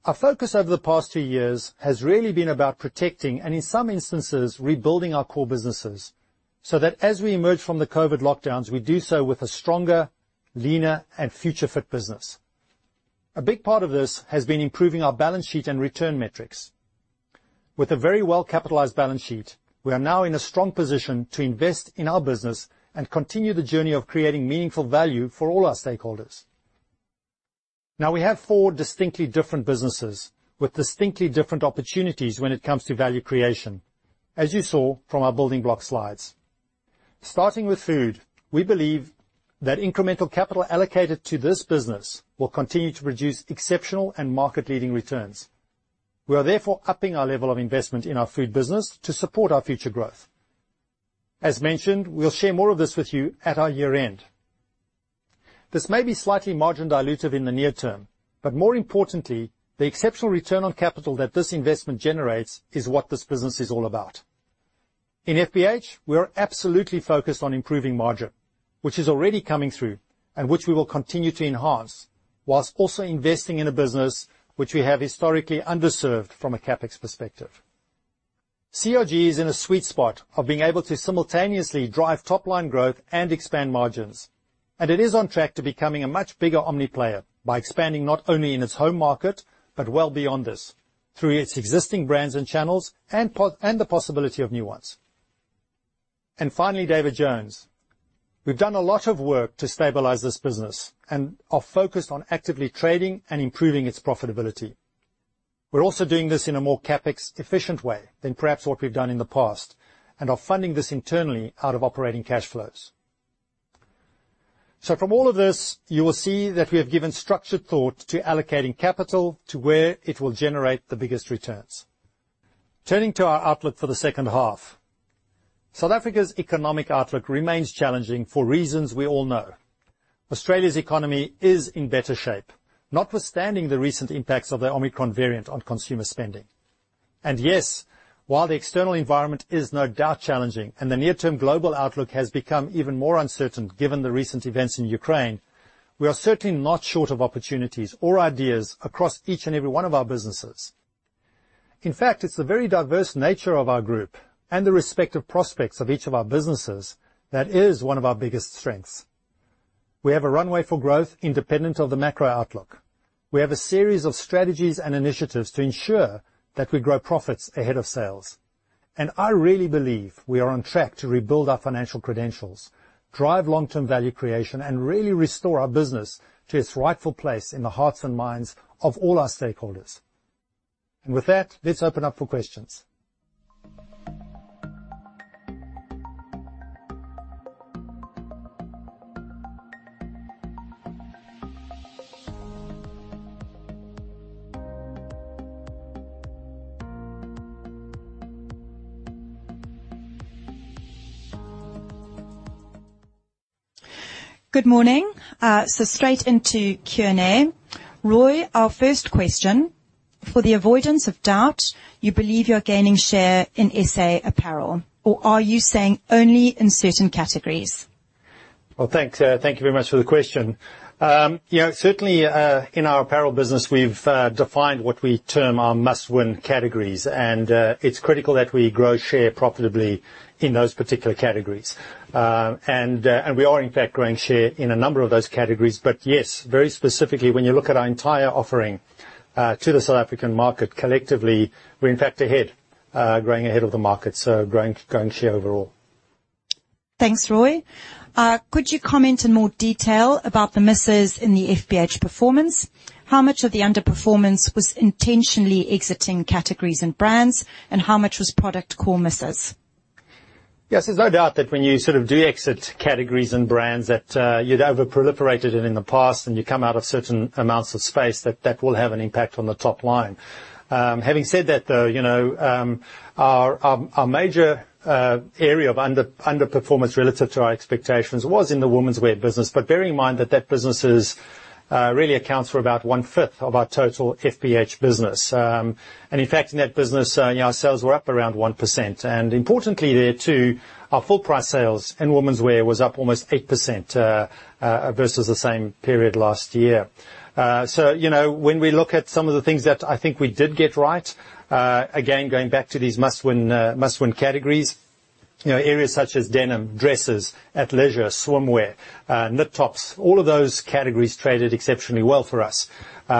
Our focus over the past two years has really been about protecting and in some instances, rebuilding our core businesses so that as we emerge from the COVID lockdowns, we do so with a stronger, leaner and future fit business. A big part of this has been improving our balance sheet and return metrics. With a very well-capitalized balance sheet, we are now in a strong position to invest in our business and continue the journey of creating meaningful value for all our stakeholders. Now we have four distinctly different businesses with distinctly different opportunities when it comes to value creation, as you saw from our building block slides. Starting with food, we believe that incremental capital allocated to this business will continue to produce exceptional and market-leading returns. We are therefore upping our level of investment in our food business to support our future growth. As mentioned, we'll share more of this with you at our year-end. This may be slightly margin dilutive in the near term, but more importantly, the exceptional return on capital that this investment generates is what this business is all about. In FBH, we are absolutely focused on improving margin, which is already coming through and which we will continue to enhance while also investing in a business which we have historically underserved from a CapEx perspective. CRG is in a sweet spot of being able to simultaneously drive top-line growth and expand margins, and it is on track to becoming a much bigger omni player by expanding not only in its home market, but well beyond this through its existing brands and channels and the possibility of new ones. Finally, David Jones. We've done a lot of work to stabilize this business and are focused on actively trading and improving its profitability. We're also doing this in a more CapEx efficient way than perhaps what we've done in the past, and are funding this internally out of operating cash flows. From all of this, you will see that we have given structured thought to allocating capital to where it will generate the biggest returns. Turning to our outlook for the second half. South Africa's economic outlook remains challenging for reasons we all know. Australia's economy is in better shape, notwithstanding the recent impacts of the Omicron variant on consumer spending. Yes, while the external environment is no doubt challenging and the near-term global outlook has become even more uncertain given the recent events in Ukraine, we are certainly not short of opportunities or ideas across each and every one of our businesses. In fact, it's the very diverse nature of our group and the respective prospects of each of our businesses that is one of our biggest strengths. We have a runway for growth independent of the macro outlook. We have a series of strategies and initiatives to ensure that we grow profits ahead of sales. I really believe we are on track to rebuild our financial credentials, drive long-term value creation, and really restore our business to its rightful place in the hearts and minds of all our stakeholders. With that, let's open up for questions. Good morning. Straight into Q&A. Roy, our first question, for the avoidance of doubt, you believe you're gaining share in SA Apparel or are you saying only in certain categories? Well, thanks. Thank you very much for the question. Yeah, certainly, in our apparel business, we've defined what we term our must-win categories, and it's critical that we grow share profitably in those particular categories. And we are in fact growing share in a number of those categories. Yes, very specifically, when you look at our entire offering to the South African market collectively, we're in fact ahead, growing ahead of the market, so growing share overall. Thanks, Roy. Could you comment in more detail about the misses in the FBH performance? How much of the underperformance was intentionally exiting categories and brands, and how much was product core misses? Yes, there's no doubt that when you sort of do exit categories and brands that you'd overproliferated in the past and you come out of certain amounts of space that will have an impact on the top line. Having said that, though, you know, our major area of underperformance relative to our expectations was in the womenswear business, but bear in mind that business really accounts for about one-fifth of our total FBH business. In fact, in that business, you know, our sales were up around 1%. Importantly there too, our full price sales in womenswear was up almost 8% versus the same period last year. So you know, when we look at some of the things that I think we did get right, again, going back to these must-win categories, you know, areas such as denim, dresses, athleisure, swimwear, knit tops, all of those categories traded exceptionally well for us.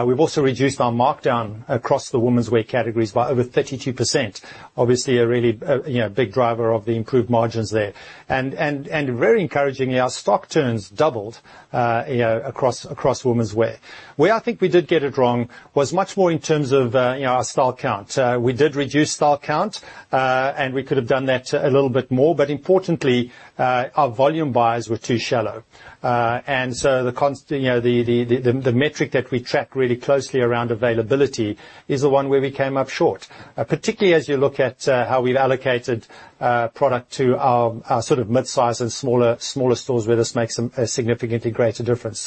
We've also reduced our markdown across the womenswear categories by over 32%. Obviously a really, you know, big driver of the improved margins there. Very encouragingly, our stock turns doubled, you know, across womenswear. Where I think we did get it wrong was much more in terms of, you know, our style count. We did reduce style count, and we could have done that a little bit more, but importantly, our volume buyers were too shallow. You know, the metric that we track really closely around availability is the one where we came up short, particularly as you look at how we've allocated product to our sort of midsize and smaller stores where this makes a significantly greater difference.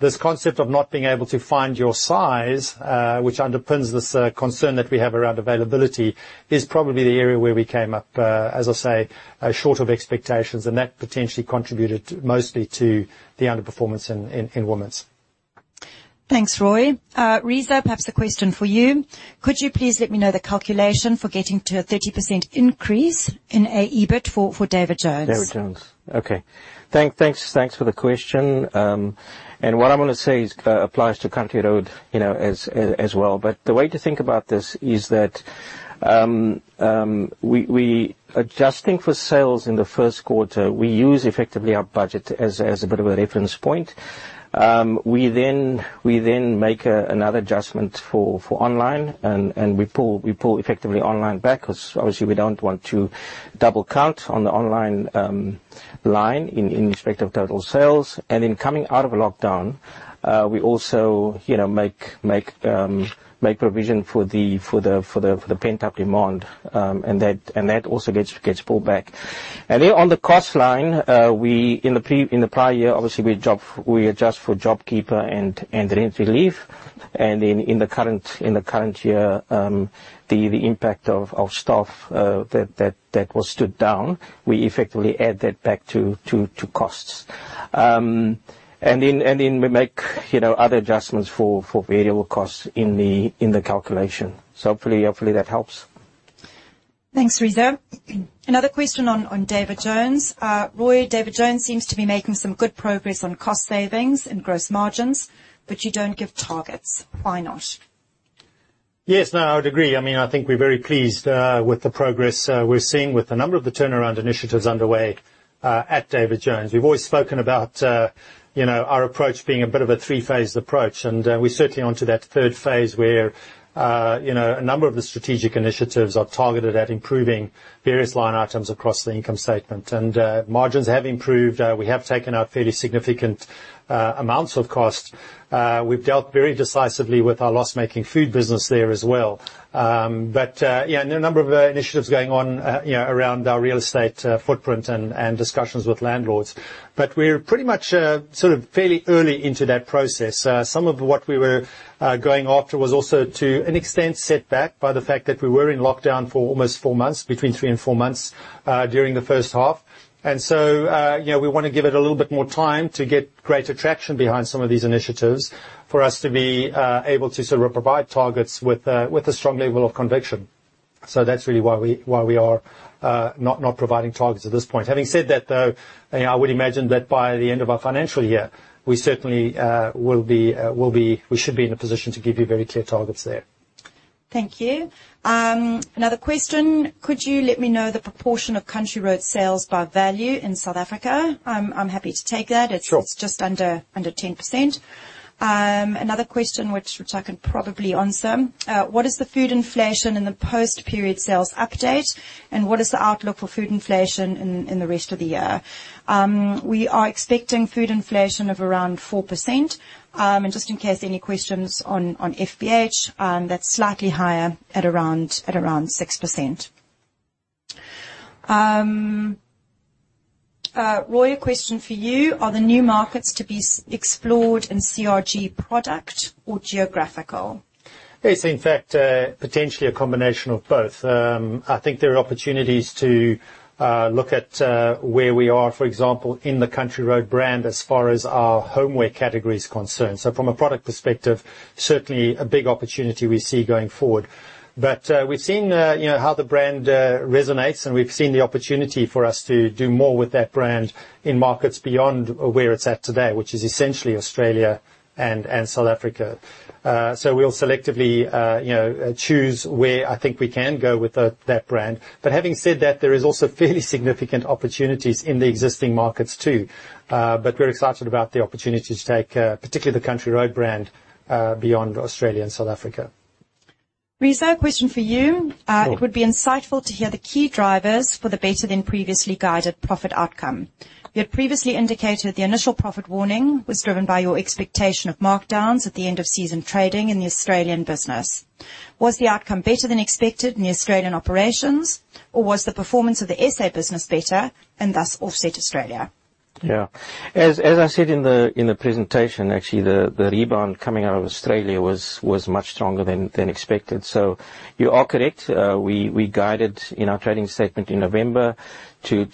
This concept of not being able to find your size, which underpins this concern that we have around availability, is probably the area where we came up, as I say, short of expectations, and that potentially contributed mostly to the underperformance in women's. Thanks, Roy. Reeza, perhaps the question for you, could you please let me know the calculation for getting to a 30% increase in AEBIT for David Jones? David Jones. Okay. Thanks for the question. What I'm gonna say is applies to Country Road, you know, as well. The way to think about this is that we adjusting for sales in the first quarter, we use effectively our budget as a bit of a reference point. We then make another adjustment for online and we pull effectively online back, 'cause obviously we don't want to double count on the online line in respect of total sales. In coming out of lockdown, we also, you know, make provision for the pent-up demand. That also gets pulled back. Then on the cost line, we... In the prior year, obviously we adjust for JobKeeper and rent relief. In the current year, the impact of staff that was stood down, we effectively add that back to costs. We make you know other adjustments for variable costs in the calculation. Hopefully that helps. Thanks, Reeza. Another question on David Jones. Roy, David Jones seems to be making some good progress on cost savings and gross margins, but you don't give targets. Why not? Yes. No, I would agree. I mean, I think we're very pleased with the progress we're seeing with a number of the turnaround initiatives underway at David Jones. We've always spoken about you know, our approach being a bit of a three-phase approach, and we're certainly onto that third phase where you know, a number of the strategic initiatives are targeted at improving various line items across the income statement. Margins have improved. We have taken out fairly significant amounts of cost. We've dealt very decisively with our loss-making food business there as well. There are a number of initiatives going on you know, around our real estate footprint and discussions with landlords. We're pretty much sort of fairly early into that process. Some of what we were going after was also to an extent set back by the fact that we were in lockdown for almost four months, between three and four months, during the first half. You know, we wanna give it a little bit more time to get greater traction behind some of these initiatives for us to be able to sort of provide targets with a strong level of conviction. That's really why we are not providing targets at this point. Having said that, though, you know, I would imagine that by the end of our financial year, we certainly will be in a position to give you very clear targets there. Thank you. Another question. Could you let me know the proportion of Country Road sales by value in South Africa? I'm happy to take that. Sure. It's just under 10%. Another question which I can probably answer. What is the food inflation in the post-period sales update, and what is the outlook for food inflation in the rest of the year? We are expecting food inflation of around 4%. Just in case any questions on FBH, that's slightly higher at around 6%. Roy, a question for you. Are the new markets to be explored in CRG product or geographical? It's in fact, potentially a combination of both. I think there are opportunities to look at where we are, for example, in the Country Road brand as far as our homeware category is concerned. From a product perspective, certainly a big opportunity we see going forward. We've seen you know, how the brand resonates, and we've seen the opportunity for us to do more with that brand in markets beyond where it's at today, which is essentially Australia and South Africa. We'll selectively choose where I think we can go with that brand. Having said that, there is also fairly significant opportunities in the existing markets too. We're excited about the opportunity to take particularly the Country Road brand beyond Australia and South Africa. Reeza, a question for you. Sure. It would be insightful to hear the key drivers for the better than previously guided profit outcome. You had previously indicated the initial profit warning was driven by your expectation of markdowns at the end of season trading in the Australian business. Was the outcome better than expected in the Australian operations, or was the performance of the SA business better and thus offset Australia? Yeah. As I said in the presentation, actually the rebound coming out of Australia was much stronger than expected. You are correct. We guided in our trading statement in November to 80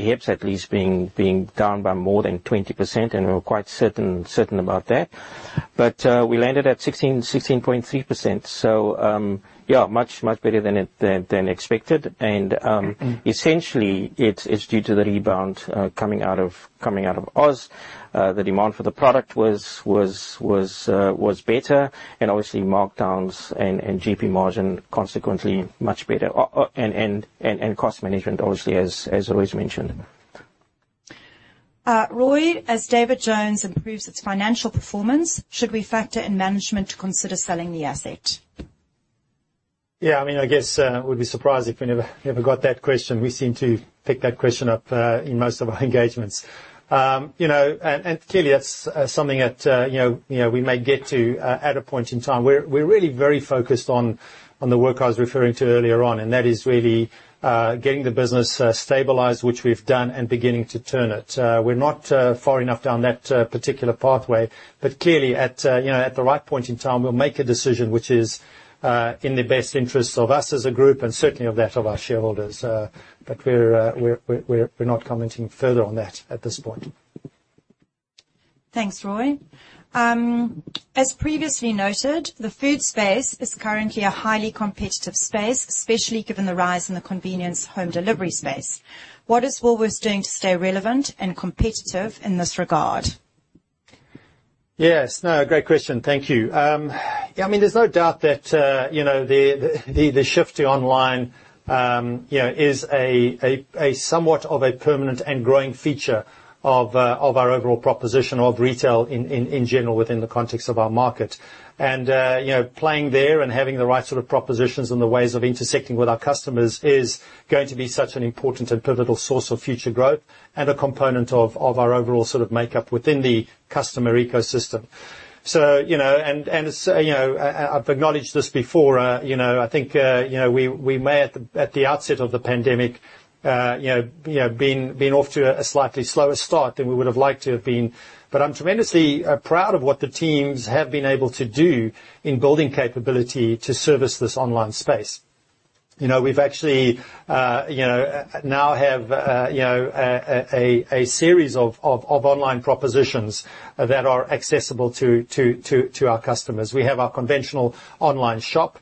HEPS at least being down by more than 20%, and we're quite certain about that. We landed at 16.3%, yeah, much better than expected. Essentially it's due to the rebound coming out of Oz. The demand for the product was better and obviously markdowns and GP margin consequently much better. Cost management obviously, as Roy's mentioned. Roy, as David Jones improves its financial performance, should we factor Yeah, I mean, I guess we would be surprised if we never got that question. We seem to pick that question up in most of our engagements. You know, and clearly that's something that you know we may get to at a point in time. We're really very focused on the work I was referring to earlier on, and that is really getting the business stabilized, which we've done, and beginning to turn it. We're not far enough down that particular pathway, but clearly at the right point in time, we'll make a decision which is in the best interests of us as a group and certainly of that of our shareholders. We're not commenting further on that at this point. Thanks, Roy. As previously noted, the food space is currently a highly competitive space, especially given the rise in the convenience home delivery space. What is Woolworths doing to stay relevant and competitive in this regard? Yes. No, great question. Thank you. Yeah, I mean, there's no doubt that, you know, the shift to online, you know, is somewhat of a permanent and growing feature of our overall proposition of retail in general within the context of our market. You know, playing there and having the right sort of propositions and the ways of intersecting with our customers is going to be such an important and pivotal source of future growth and a component of our overall sort of makeup within the customer ecosystem. You know, as you know, I've acknowledged this before. You know, I think we may at the outset of the pandemic been off to a slightly slower start than we would have liked to have been. I'm tremendously proud of what the teams have been able to do in building capability to service this online space. You know, we've actually now have a series of online propositions that are accessible to our customers. We have our conventional online shop,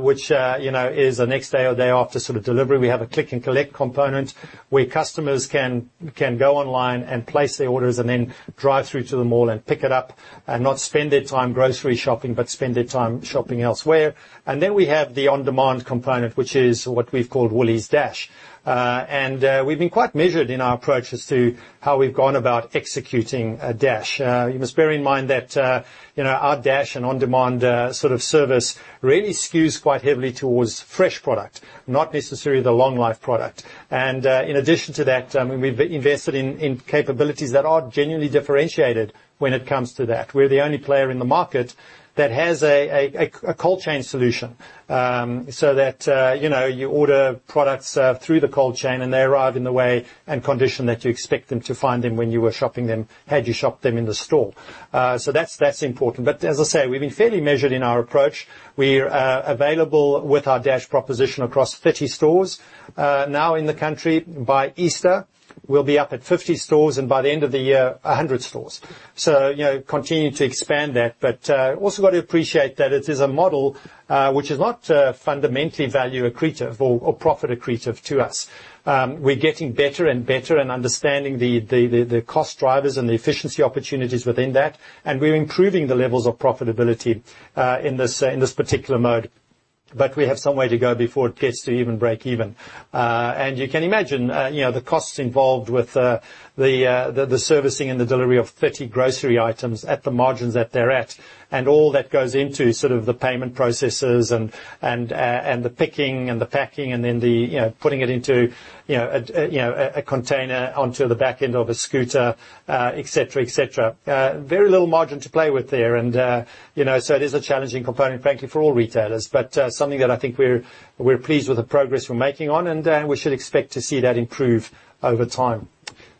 which is a next day or day after sort of delivery. We have a click and collect component where customers can go online and place their orders, and then drive through to the mall and pick it up, and not spend their time grocery shopping, but spend their time shopping elsewhere. We have the on-demand component, which is what we've called Woolies Dash. We've been quite measured in our approach as to how we've gone about executing Dash. You must bear in mind that you know, our Dash and on-demand sort of service really skews quite heavily towards fresh product, not necessarily the long life product. In addition to that, we've invested in capabilities that are genuinely differentiated when it comes to that. We're the only player in the market that has a cold chain solution, so that you know you order products through the cold chain and they arrive in the way and condition that you expect them to find them when you were shopping them, had you shopped them in the store. That's important. As I say, we've been fairly measured in our approach. We're available with our Dash proposition across 30 stores now in the country. By Easter, we'll be up at 50 stores, and by the end of the year, 100 stores. You know, continuing to expand that, but also got to appreciate that it is a model which is not fundamentally value accretive or profit accretive to us. We're getting better and better at understanding the cost drivers and the efficiency opportunities within that, and we're improving the levels of profitability in this particular mode, but we have some way to go before it gets to even break even. You can imagine the costs involved with the servicing and the delivery of 30 grocery items at the margins that they're at, and all that goes into sort of the payment processes and the picking and the packing, and then putting it into a container onto the back end of a scooter, etc., etc. Very little margin to play with there and, you know, so it is a challenging component, frankly, for all retailers, but, something that I think we're pleased with the progress we're making on, and, we should expect to see that improve over time.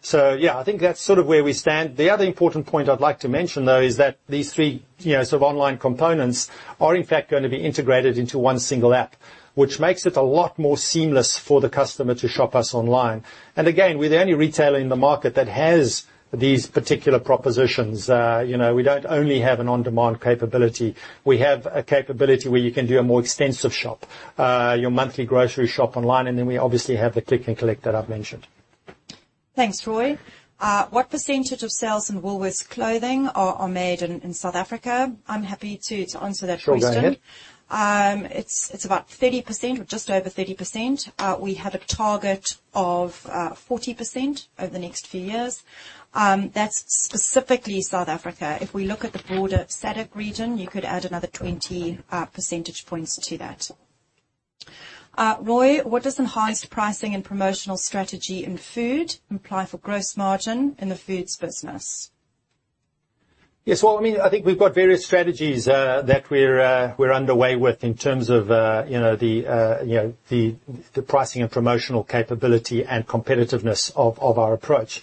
So yeah, I think that's sort of where we stand. The other important point I'd like to mention, though, is that these three, you know, sort of online components are in fact gonna be integrated into one single app, which makes it a lot more seamless for the customer to shop us online. Again, we're the only retailer in the market that has these particular propositions. You know, we don't only have an on-demand capability, we have a capability where you can do a more extensive shop, your monthly grocery shop online, and then we obviously have the click and collect that I've mentioned. Thanks, Roy. What % of sales in Woolworths clothing are made in South Africa? I'm happy to answer that question. Sure, go ahead. It's about 30%, or just over 30%. We have a target of 40% over the next few years. That's specifically South Africa. If we look at the broader SADC region, you could add another 20 % points to that. Roy, what does enhanced pricing and promotional strategy in food imply for gross margin in the foods business? Yes, well, I mean, I think we've got various strategies that we're underway with in terms of, you know, the pricing and promotional capability and competitiveness of our approach.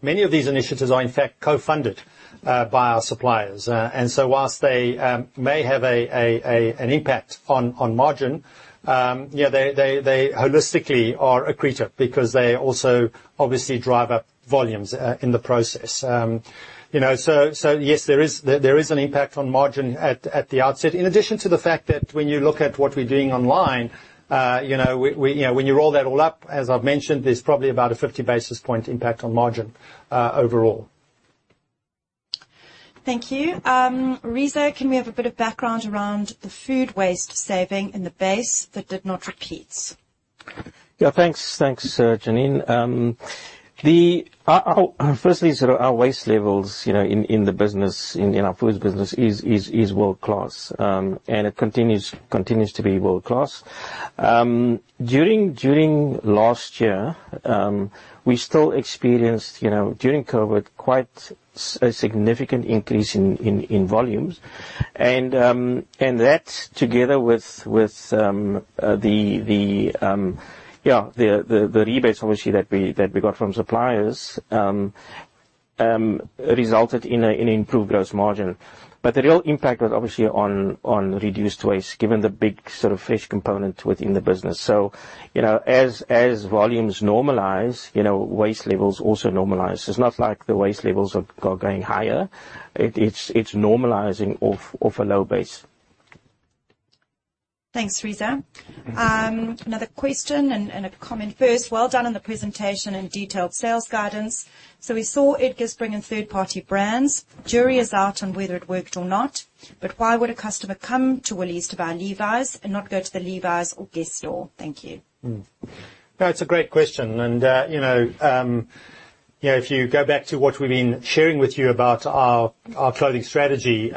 Many of these initiatives are in fact co-funded by our suppliers. While they may have an impact on margin, you know, they holistically are accretive because they also obviously drive up volumes in the process. You know, yes, there is an impact on margin at the outset, in addition to the fact that when you look at what we're doing online, you know, when you roll that all up, as I've mentioned, there's probably about a 50 basis point impact on margin overall. Thank you. Reeza, can we have a bit of background around the food waste saving in the base that did not repeat? Yeah, thanks. Thanks, Janine. Firstly, sort of our waste levels, you know, in the business, in our foods business is world-class, and it continues to be world-class. During last year, we still experienced, you know, during COVID, quite a significant increase in volumes. And that together with the rebates obviously that we got from suppliers resulted in a improved gross margin. The real impact was obviously on reduced waste, given the big sort of fresh component within the business. You know, as volumes normalize, you know, waste levels also normalize. It's not like the waste levels are going higher. It's normalizing off a low base. Thanks, Reeza. Another question and a comment first. Well done on the presentation and detailed sales guidance. We saw Edgars bring in third-party brands. Jury is out on whether it worked or not, but why would a customer come to Woolies to buy Levi's and not go to the Levi's or Guess store? Thank you. No, it's a great question, you know, if you go back to what we've been sharing with you about our clothing strategy,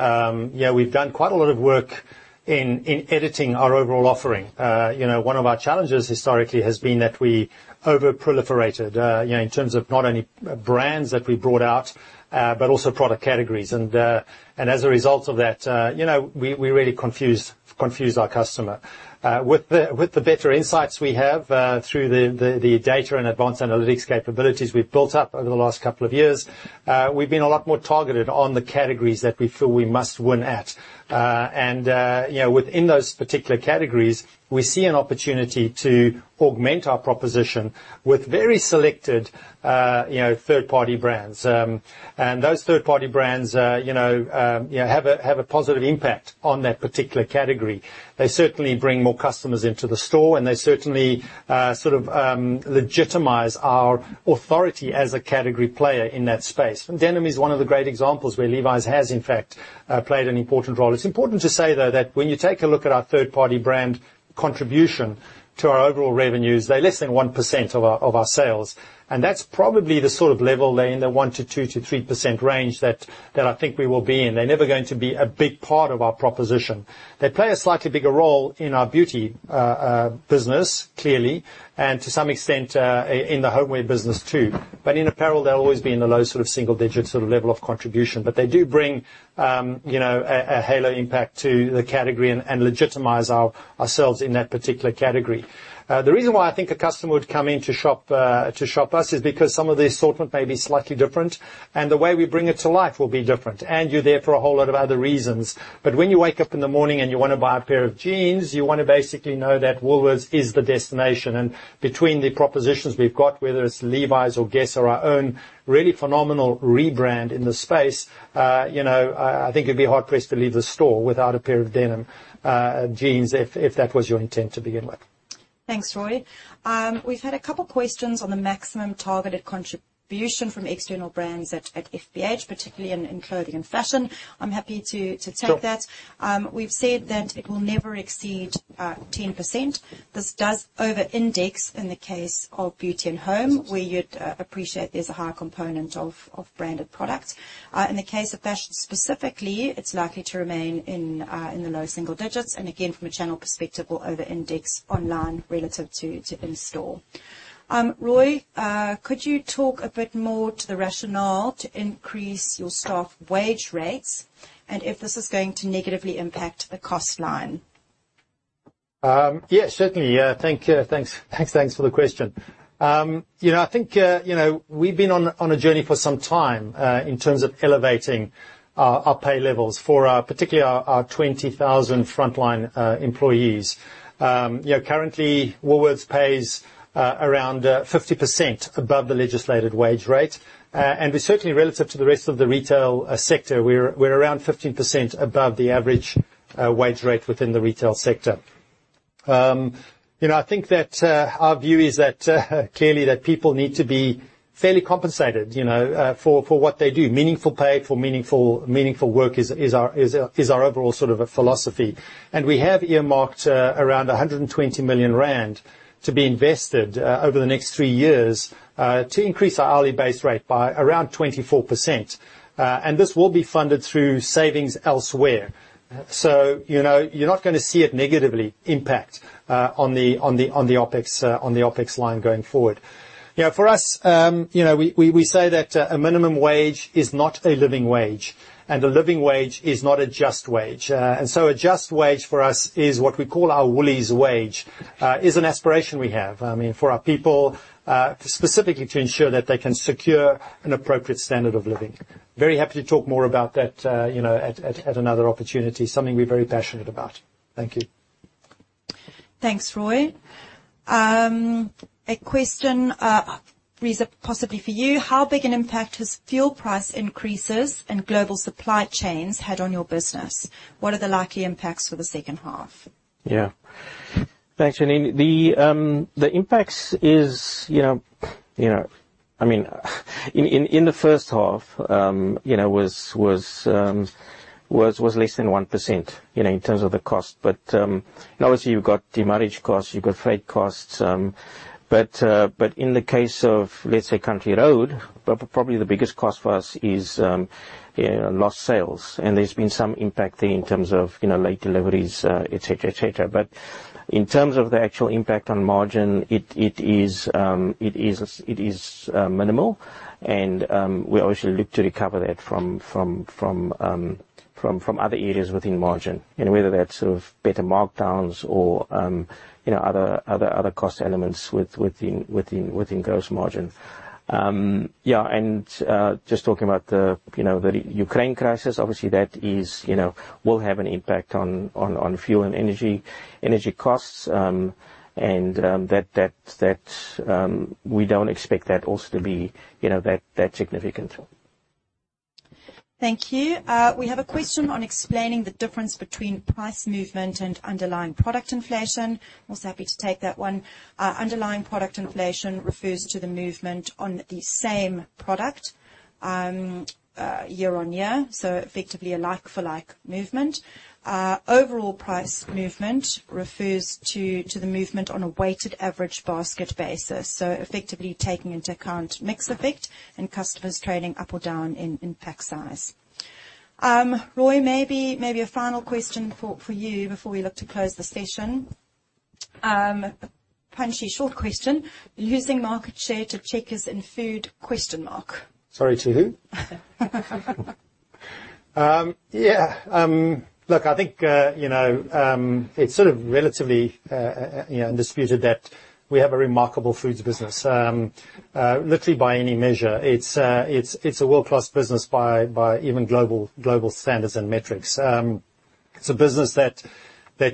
we've done quite a lot of work in editing our overall offering. You know, one of our challenges historically has been that we over-proliferated, you know, in terms of not only brands that we brought out, but also product categories. As a result of that, you know, we really confused our customer. With the better insights we have, through the data and advanced analytics capabilities we've built up over the last couple of years, we've been a lot more targeted on the categories that we feel we must win at. You know, within those particular categories, we see an opportunity to augment our proposition with very selected, you know, third-party brands. Those third-party brands, you know, you know, have a positive impact on that particular category. They certainly bring more customers into the store, and they certainly, sort of, legitimize our authority as a category player in that space. Denim is one of the great examples where Levi's has, in fact, played an important role. It's important to say, though, that when you take a look at our third-party brand contribution to our overall revenues, they're less than 1% of our sales, and that's probably the sort of level they're in the 1%-3% range that I think we will be in. They're never going to be a big part of our proposition. They play a slightly bigger role in our beauty business, clearly, and to some extent, in the homeware business, too. In apparel, they'll always be in the low sort of single digits sort of level of contribution. They do bring, you know, a halo impact to the category and legitimize ourselves in that particular category. The reason why I think a customer would come in to shop us is because some of the assortment may be slightly different, and the way we bring it to life will be different, and you're there for a whole lot of other reasons. When you wake up in the morning and you wanna buy a pair of jeans, you wanna basically know that Woolworths is the destination. Between the propositions we've got, whether it's Levi's or Guess or our own really phenomenal rebrand in the space, you know, I think you'd be hard pressed to leave the store without a pair of denim jeans if that was your intent to begin with. Thanks, Roy. We've had a couple questions on the maximum targeted contribution from external brands at FBH, particularly in clothing and fashion. I'm happy to take that. Sure. We've said that it will never exceed 10%. This does over-index in the case of beauty and home. ...where you'd appreciate there's a higher component of branded product. In the case of fashion specifically, it's likely to remain in the low single digits, and again, from a channel perspective, will over-index online relative to in store. Roy, could you talk a bit more to the rationale to increase your staff wage rates and if this is going to negatively impact the cost line? Yes, certainly. Yeah, thank you. Thanks for the question. You know, I think you know, we've been on a journey for some time in terms of elevating our pay levels for particularly our 20,000 frontline employees. You know, currently Woolworths pays around 50% above the legislated wage rate. And certainly relative to the rest of the retail sector, we're around 15% above the average wage rate within the retail sector. You know, I think that our view is that clearly that people need to be fairly compensated, you know, for what they do. Meaningful pay for meaningful work is our overall sort of a philosophy. We have earmarked around 120 million rand to be invested over the next three years to increase our hourly base rate by around 24%. This will be funded through savings elsewhere. You know, you're not gonna see it negatively impact on the OPEX line going forward. You know, for us, you know, we say that a minimum wage is not a living wage, and a living wage is not a just wage. A just wage for us is what we call our Woolies wage, is an aspiration we have, I mean, for our people, specifically to ensure that they can secure an appropriate standard of living. Very happy to talk more about that, you know, at another opportunity, something we're very passionate about. Thank you. Thanks, Roy. A question, Reeza, possibly for you. How big an impact has fuel price increases and global supply chains had on your business? What are the likely impacts for the second half? Yeah. Thanks, Janine. The impacts is, you know, I mean, in the first half, you know, was less than 1%, you know, in terms of the cost. Obviously you've got demurrage costs, you've got freight costs. In the case of, let's say, Country Road, probably the biggest cost for us is lost sales, and there's been some impact there in terms of, you know, late deliveries, et cetera. In terms of the actual impact on margin, it is minimal, and we obviously look to recover that from other areas within margin, you know, whether that's sort of better markdowns or you know, other cost elements within gross margin. Just talking about the you know, the Ukraine crisis, obviously that is you know, will have an impact on fuel and energy costs, and that we don't expect that also to be you know, that significant. Thank you. We have a question on explaining the difference between price movement and underlying product inflation. Also happy to take that one. Underlying product inflation refers to the movement on the same product year-on-year, so effectively a like-for-like movement. Overall price movement refers to the movement on a weighted average basket basis, so effectively taking into account mix effect and customers trading up or down in pack size. Roy, maybe a final question for you before we look to close the session. Punchy, short question. Losing market share to Checkers in food? Sorry, to who? Yeah. Look, I think, you know, it's sort of relatively, you know, undisputed that we have a remarkable foods business. Literally by any measure, it's a world-class business by even global standards and metrics. It's a business that,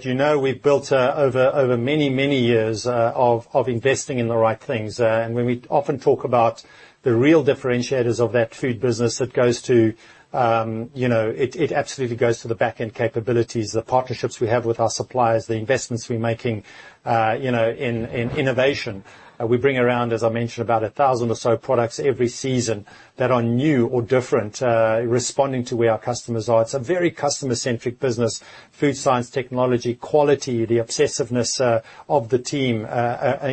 you know, we've built over many years of investing in the right things. When we often talk about the real differentiators of that food business, it goes to, you know, it absolutely goes to the back-end capabilities, the partnerships we have with our suppliers, the investments we're making, you know, in innovation. We bring around, as I mentioned, about 1,000 or so products every season that are new or different, responding to where our customers are. It's a very customer-centric business. Food science, technology, quality, the obsessiveness of the team, you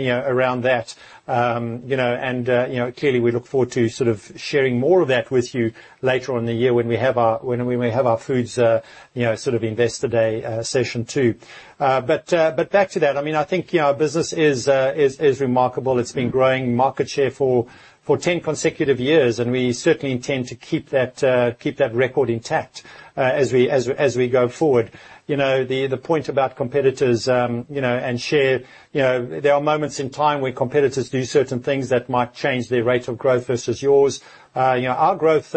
know, around that. You know, clearly we look forward to sort of sharing more of that with you later in the year when we have our foods, you know, sort of investor day session too. Back to that, I mean, I think, you know, our business is remarkable. It's been growing market share for 10 consecutive years, and we certainly intend to keep that record intact as we go forward. You know, the point about competitors, you know, and share, you know, there are moments in time where competitors do certain things that might change their rate of growth versus yours. You know, our growth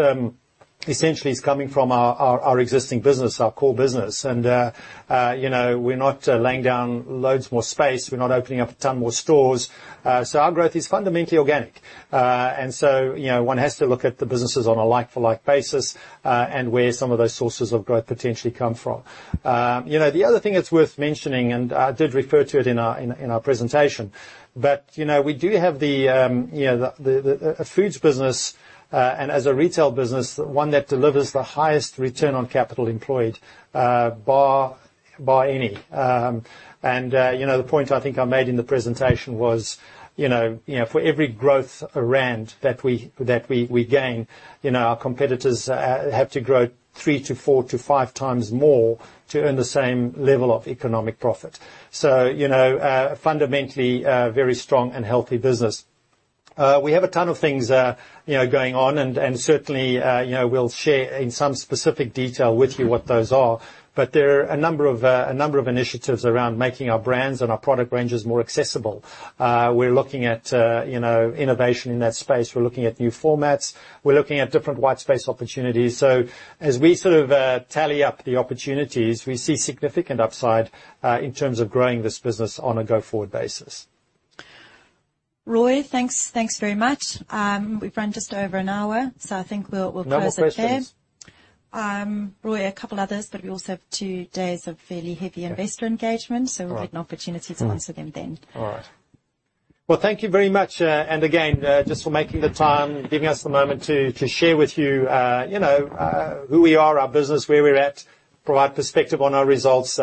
essentially is coming from our existing business, our core business. You know, we're not laying down loads more space. We're not opening up a ton more stores. Our growth is fundamentally organic. You know, one has to look at the businesses on a like-for-like basis, and where some of those sources of growth potentially come from. You know, the other thing that's worth mentioning, and I did refer to it in our presentation, but you know, we do have the foods business, and as a retail business, one that delivers the highest return on capital employed, bar any. You know, the point I think I made in the presentation was, you know, for every growth around that we gain, you know, our competitors have to grow 3x to 4x to 5x more to earn the same level of economic profit. You know, fundamentally a very strong and healthy business. We have a ton of things, you know, going on, and certainly, you know, we'll share in some specific detail with you what those are. There are a number of initiatives around making our brands and our product ranges more accessible. We're looking at, you know, innovation in that space. We're looking at new formats. We're looking at different white space opportunities. As we sort of tally up the opportunities, we see significant upside in terms of growing this business on a go-forward basis. Roy, thanks. Thanks very much. We've run just over an hour, so I think we'll close it there. No more questions? Roy, a couple others, but we also have two days of fairly heavy investor engagement. All right. We'll get an opportunity to answer them then. All right. Well, thank you very much, and again, just for making the time, giving us the moment to share with you know, who we are, our business, where we're at, provide perspective on our results.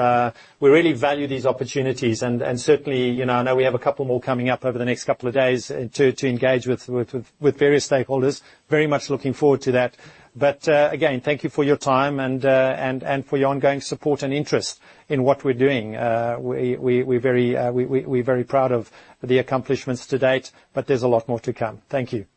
We really value these opportunities and certainly, you know, I know we have a couple more coming up over the next couple of days, to engage with various stakeholders. Very much looking forward to that. Again, thank you for your time and for your ongoing support and interest in what we're doing. We're very proud of the accomplishments to date, but there's a lot more to come. Thank you.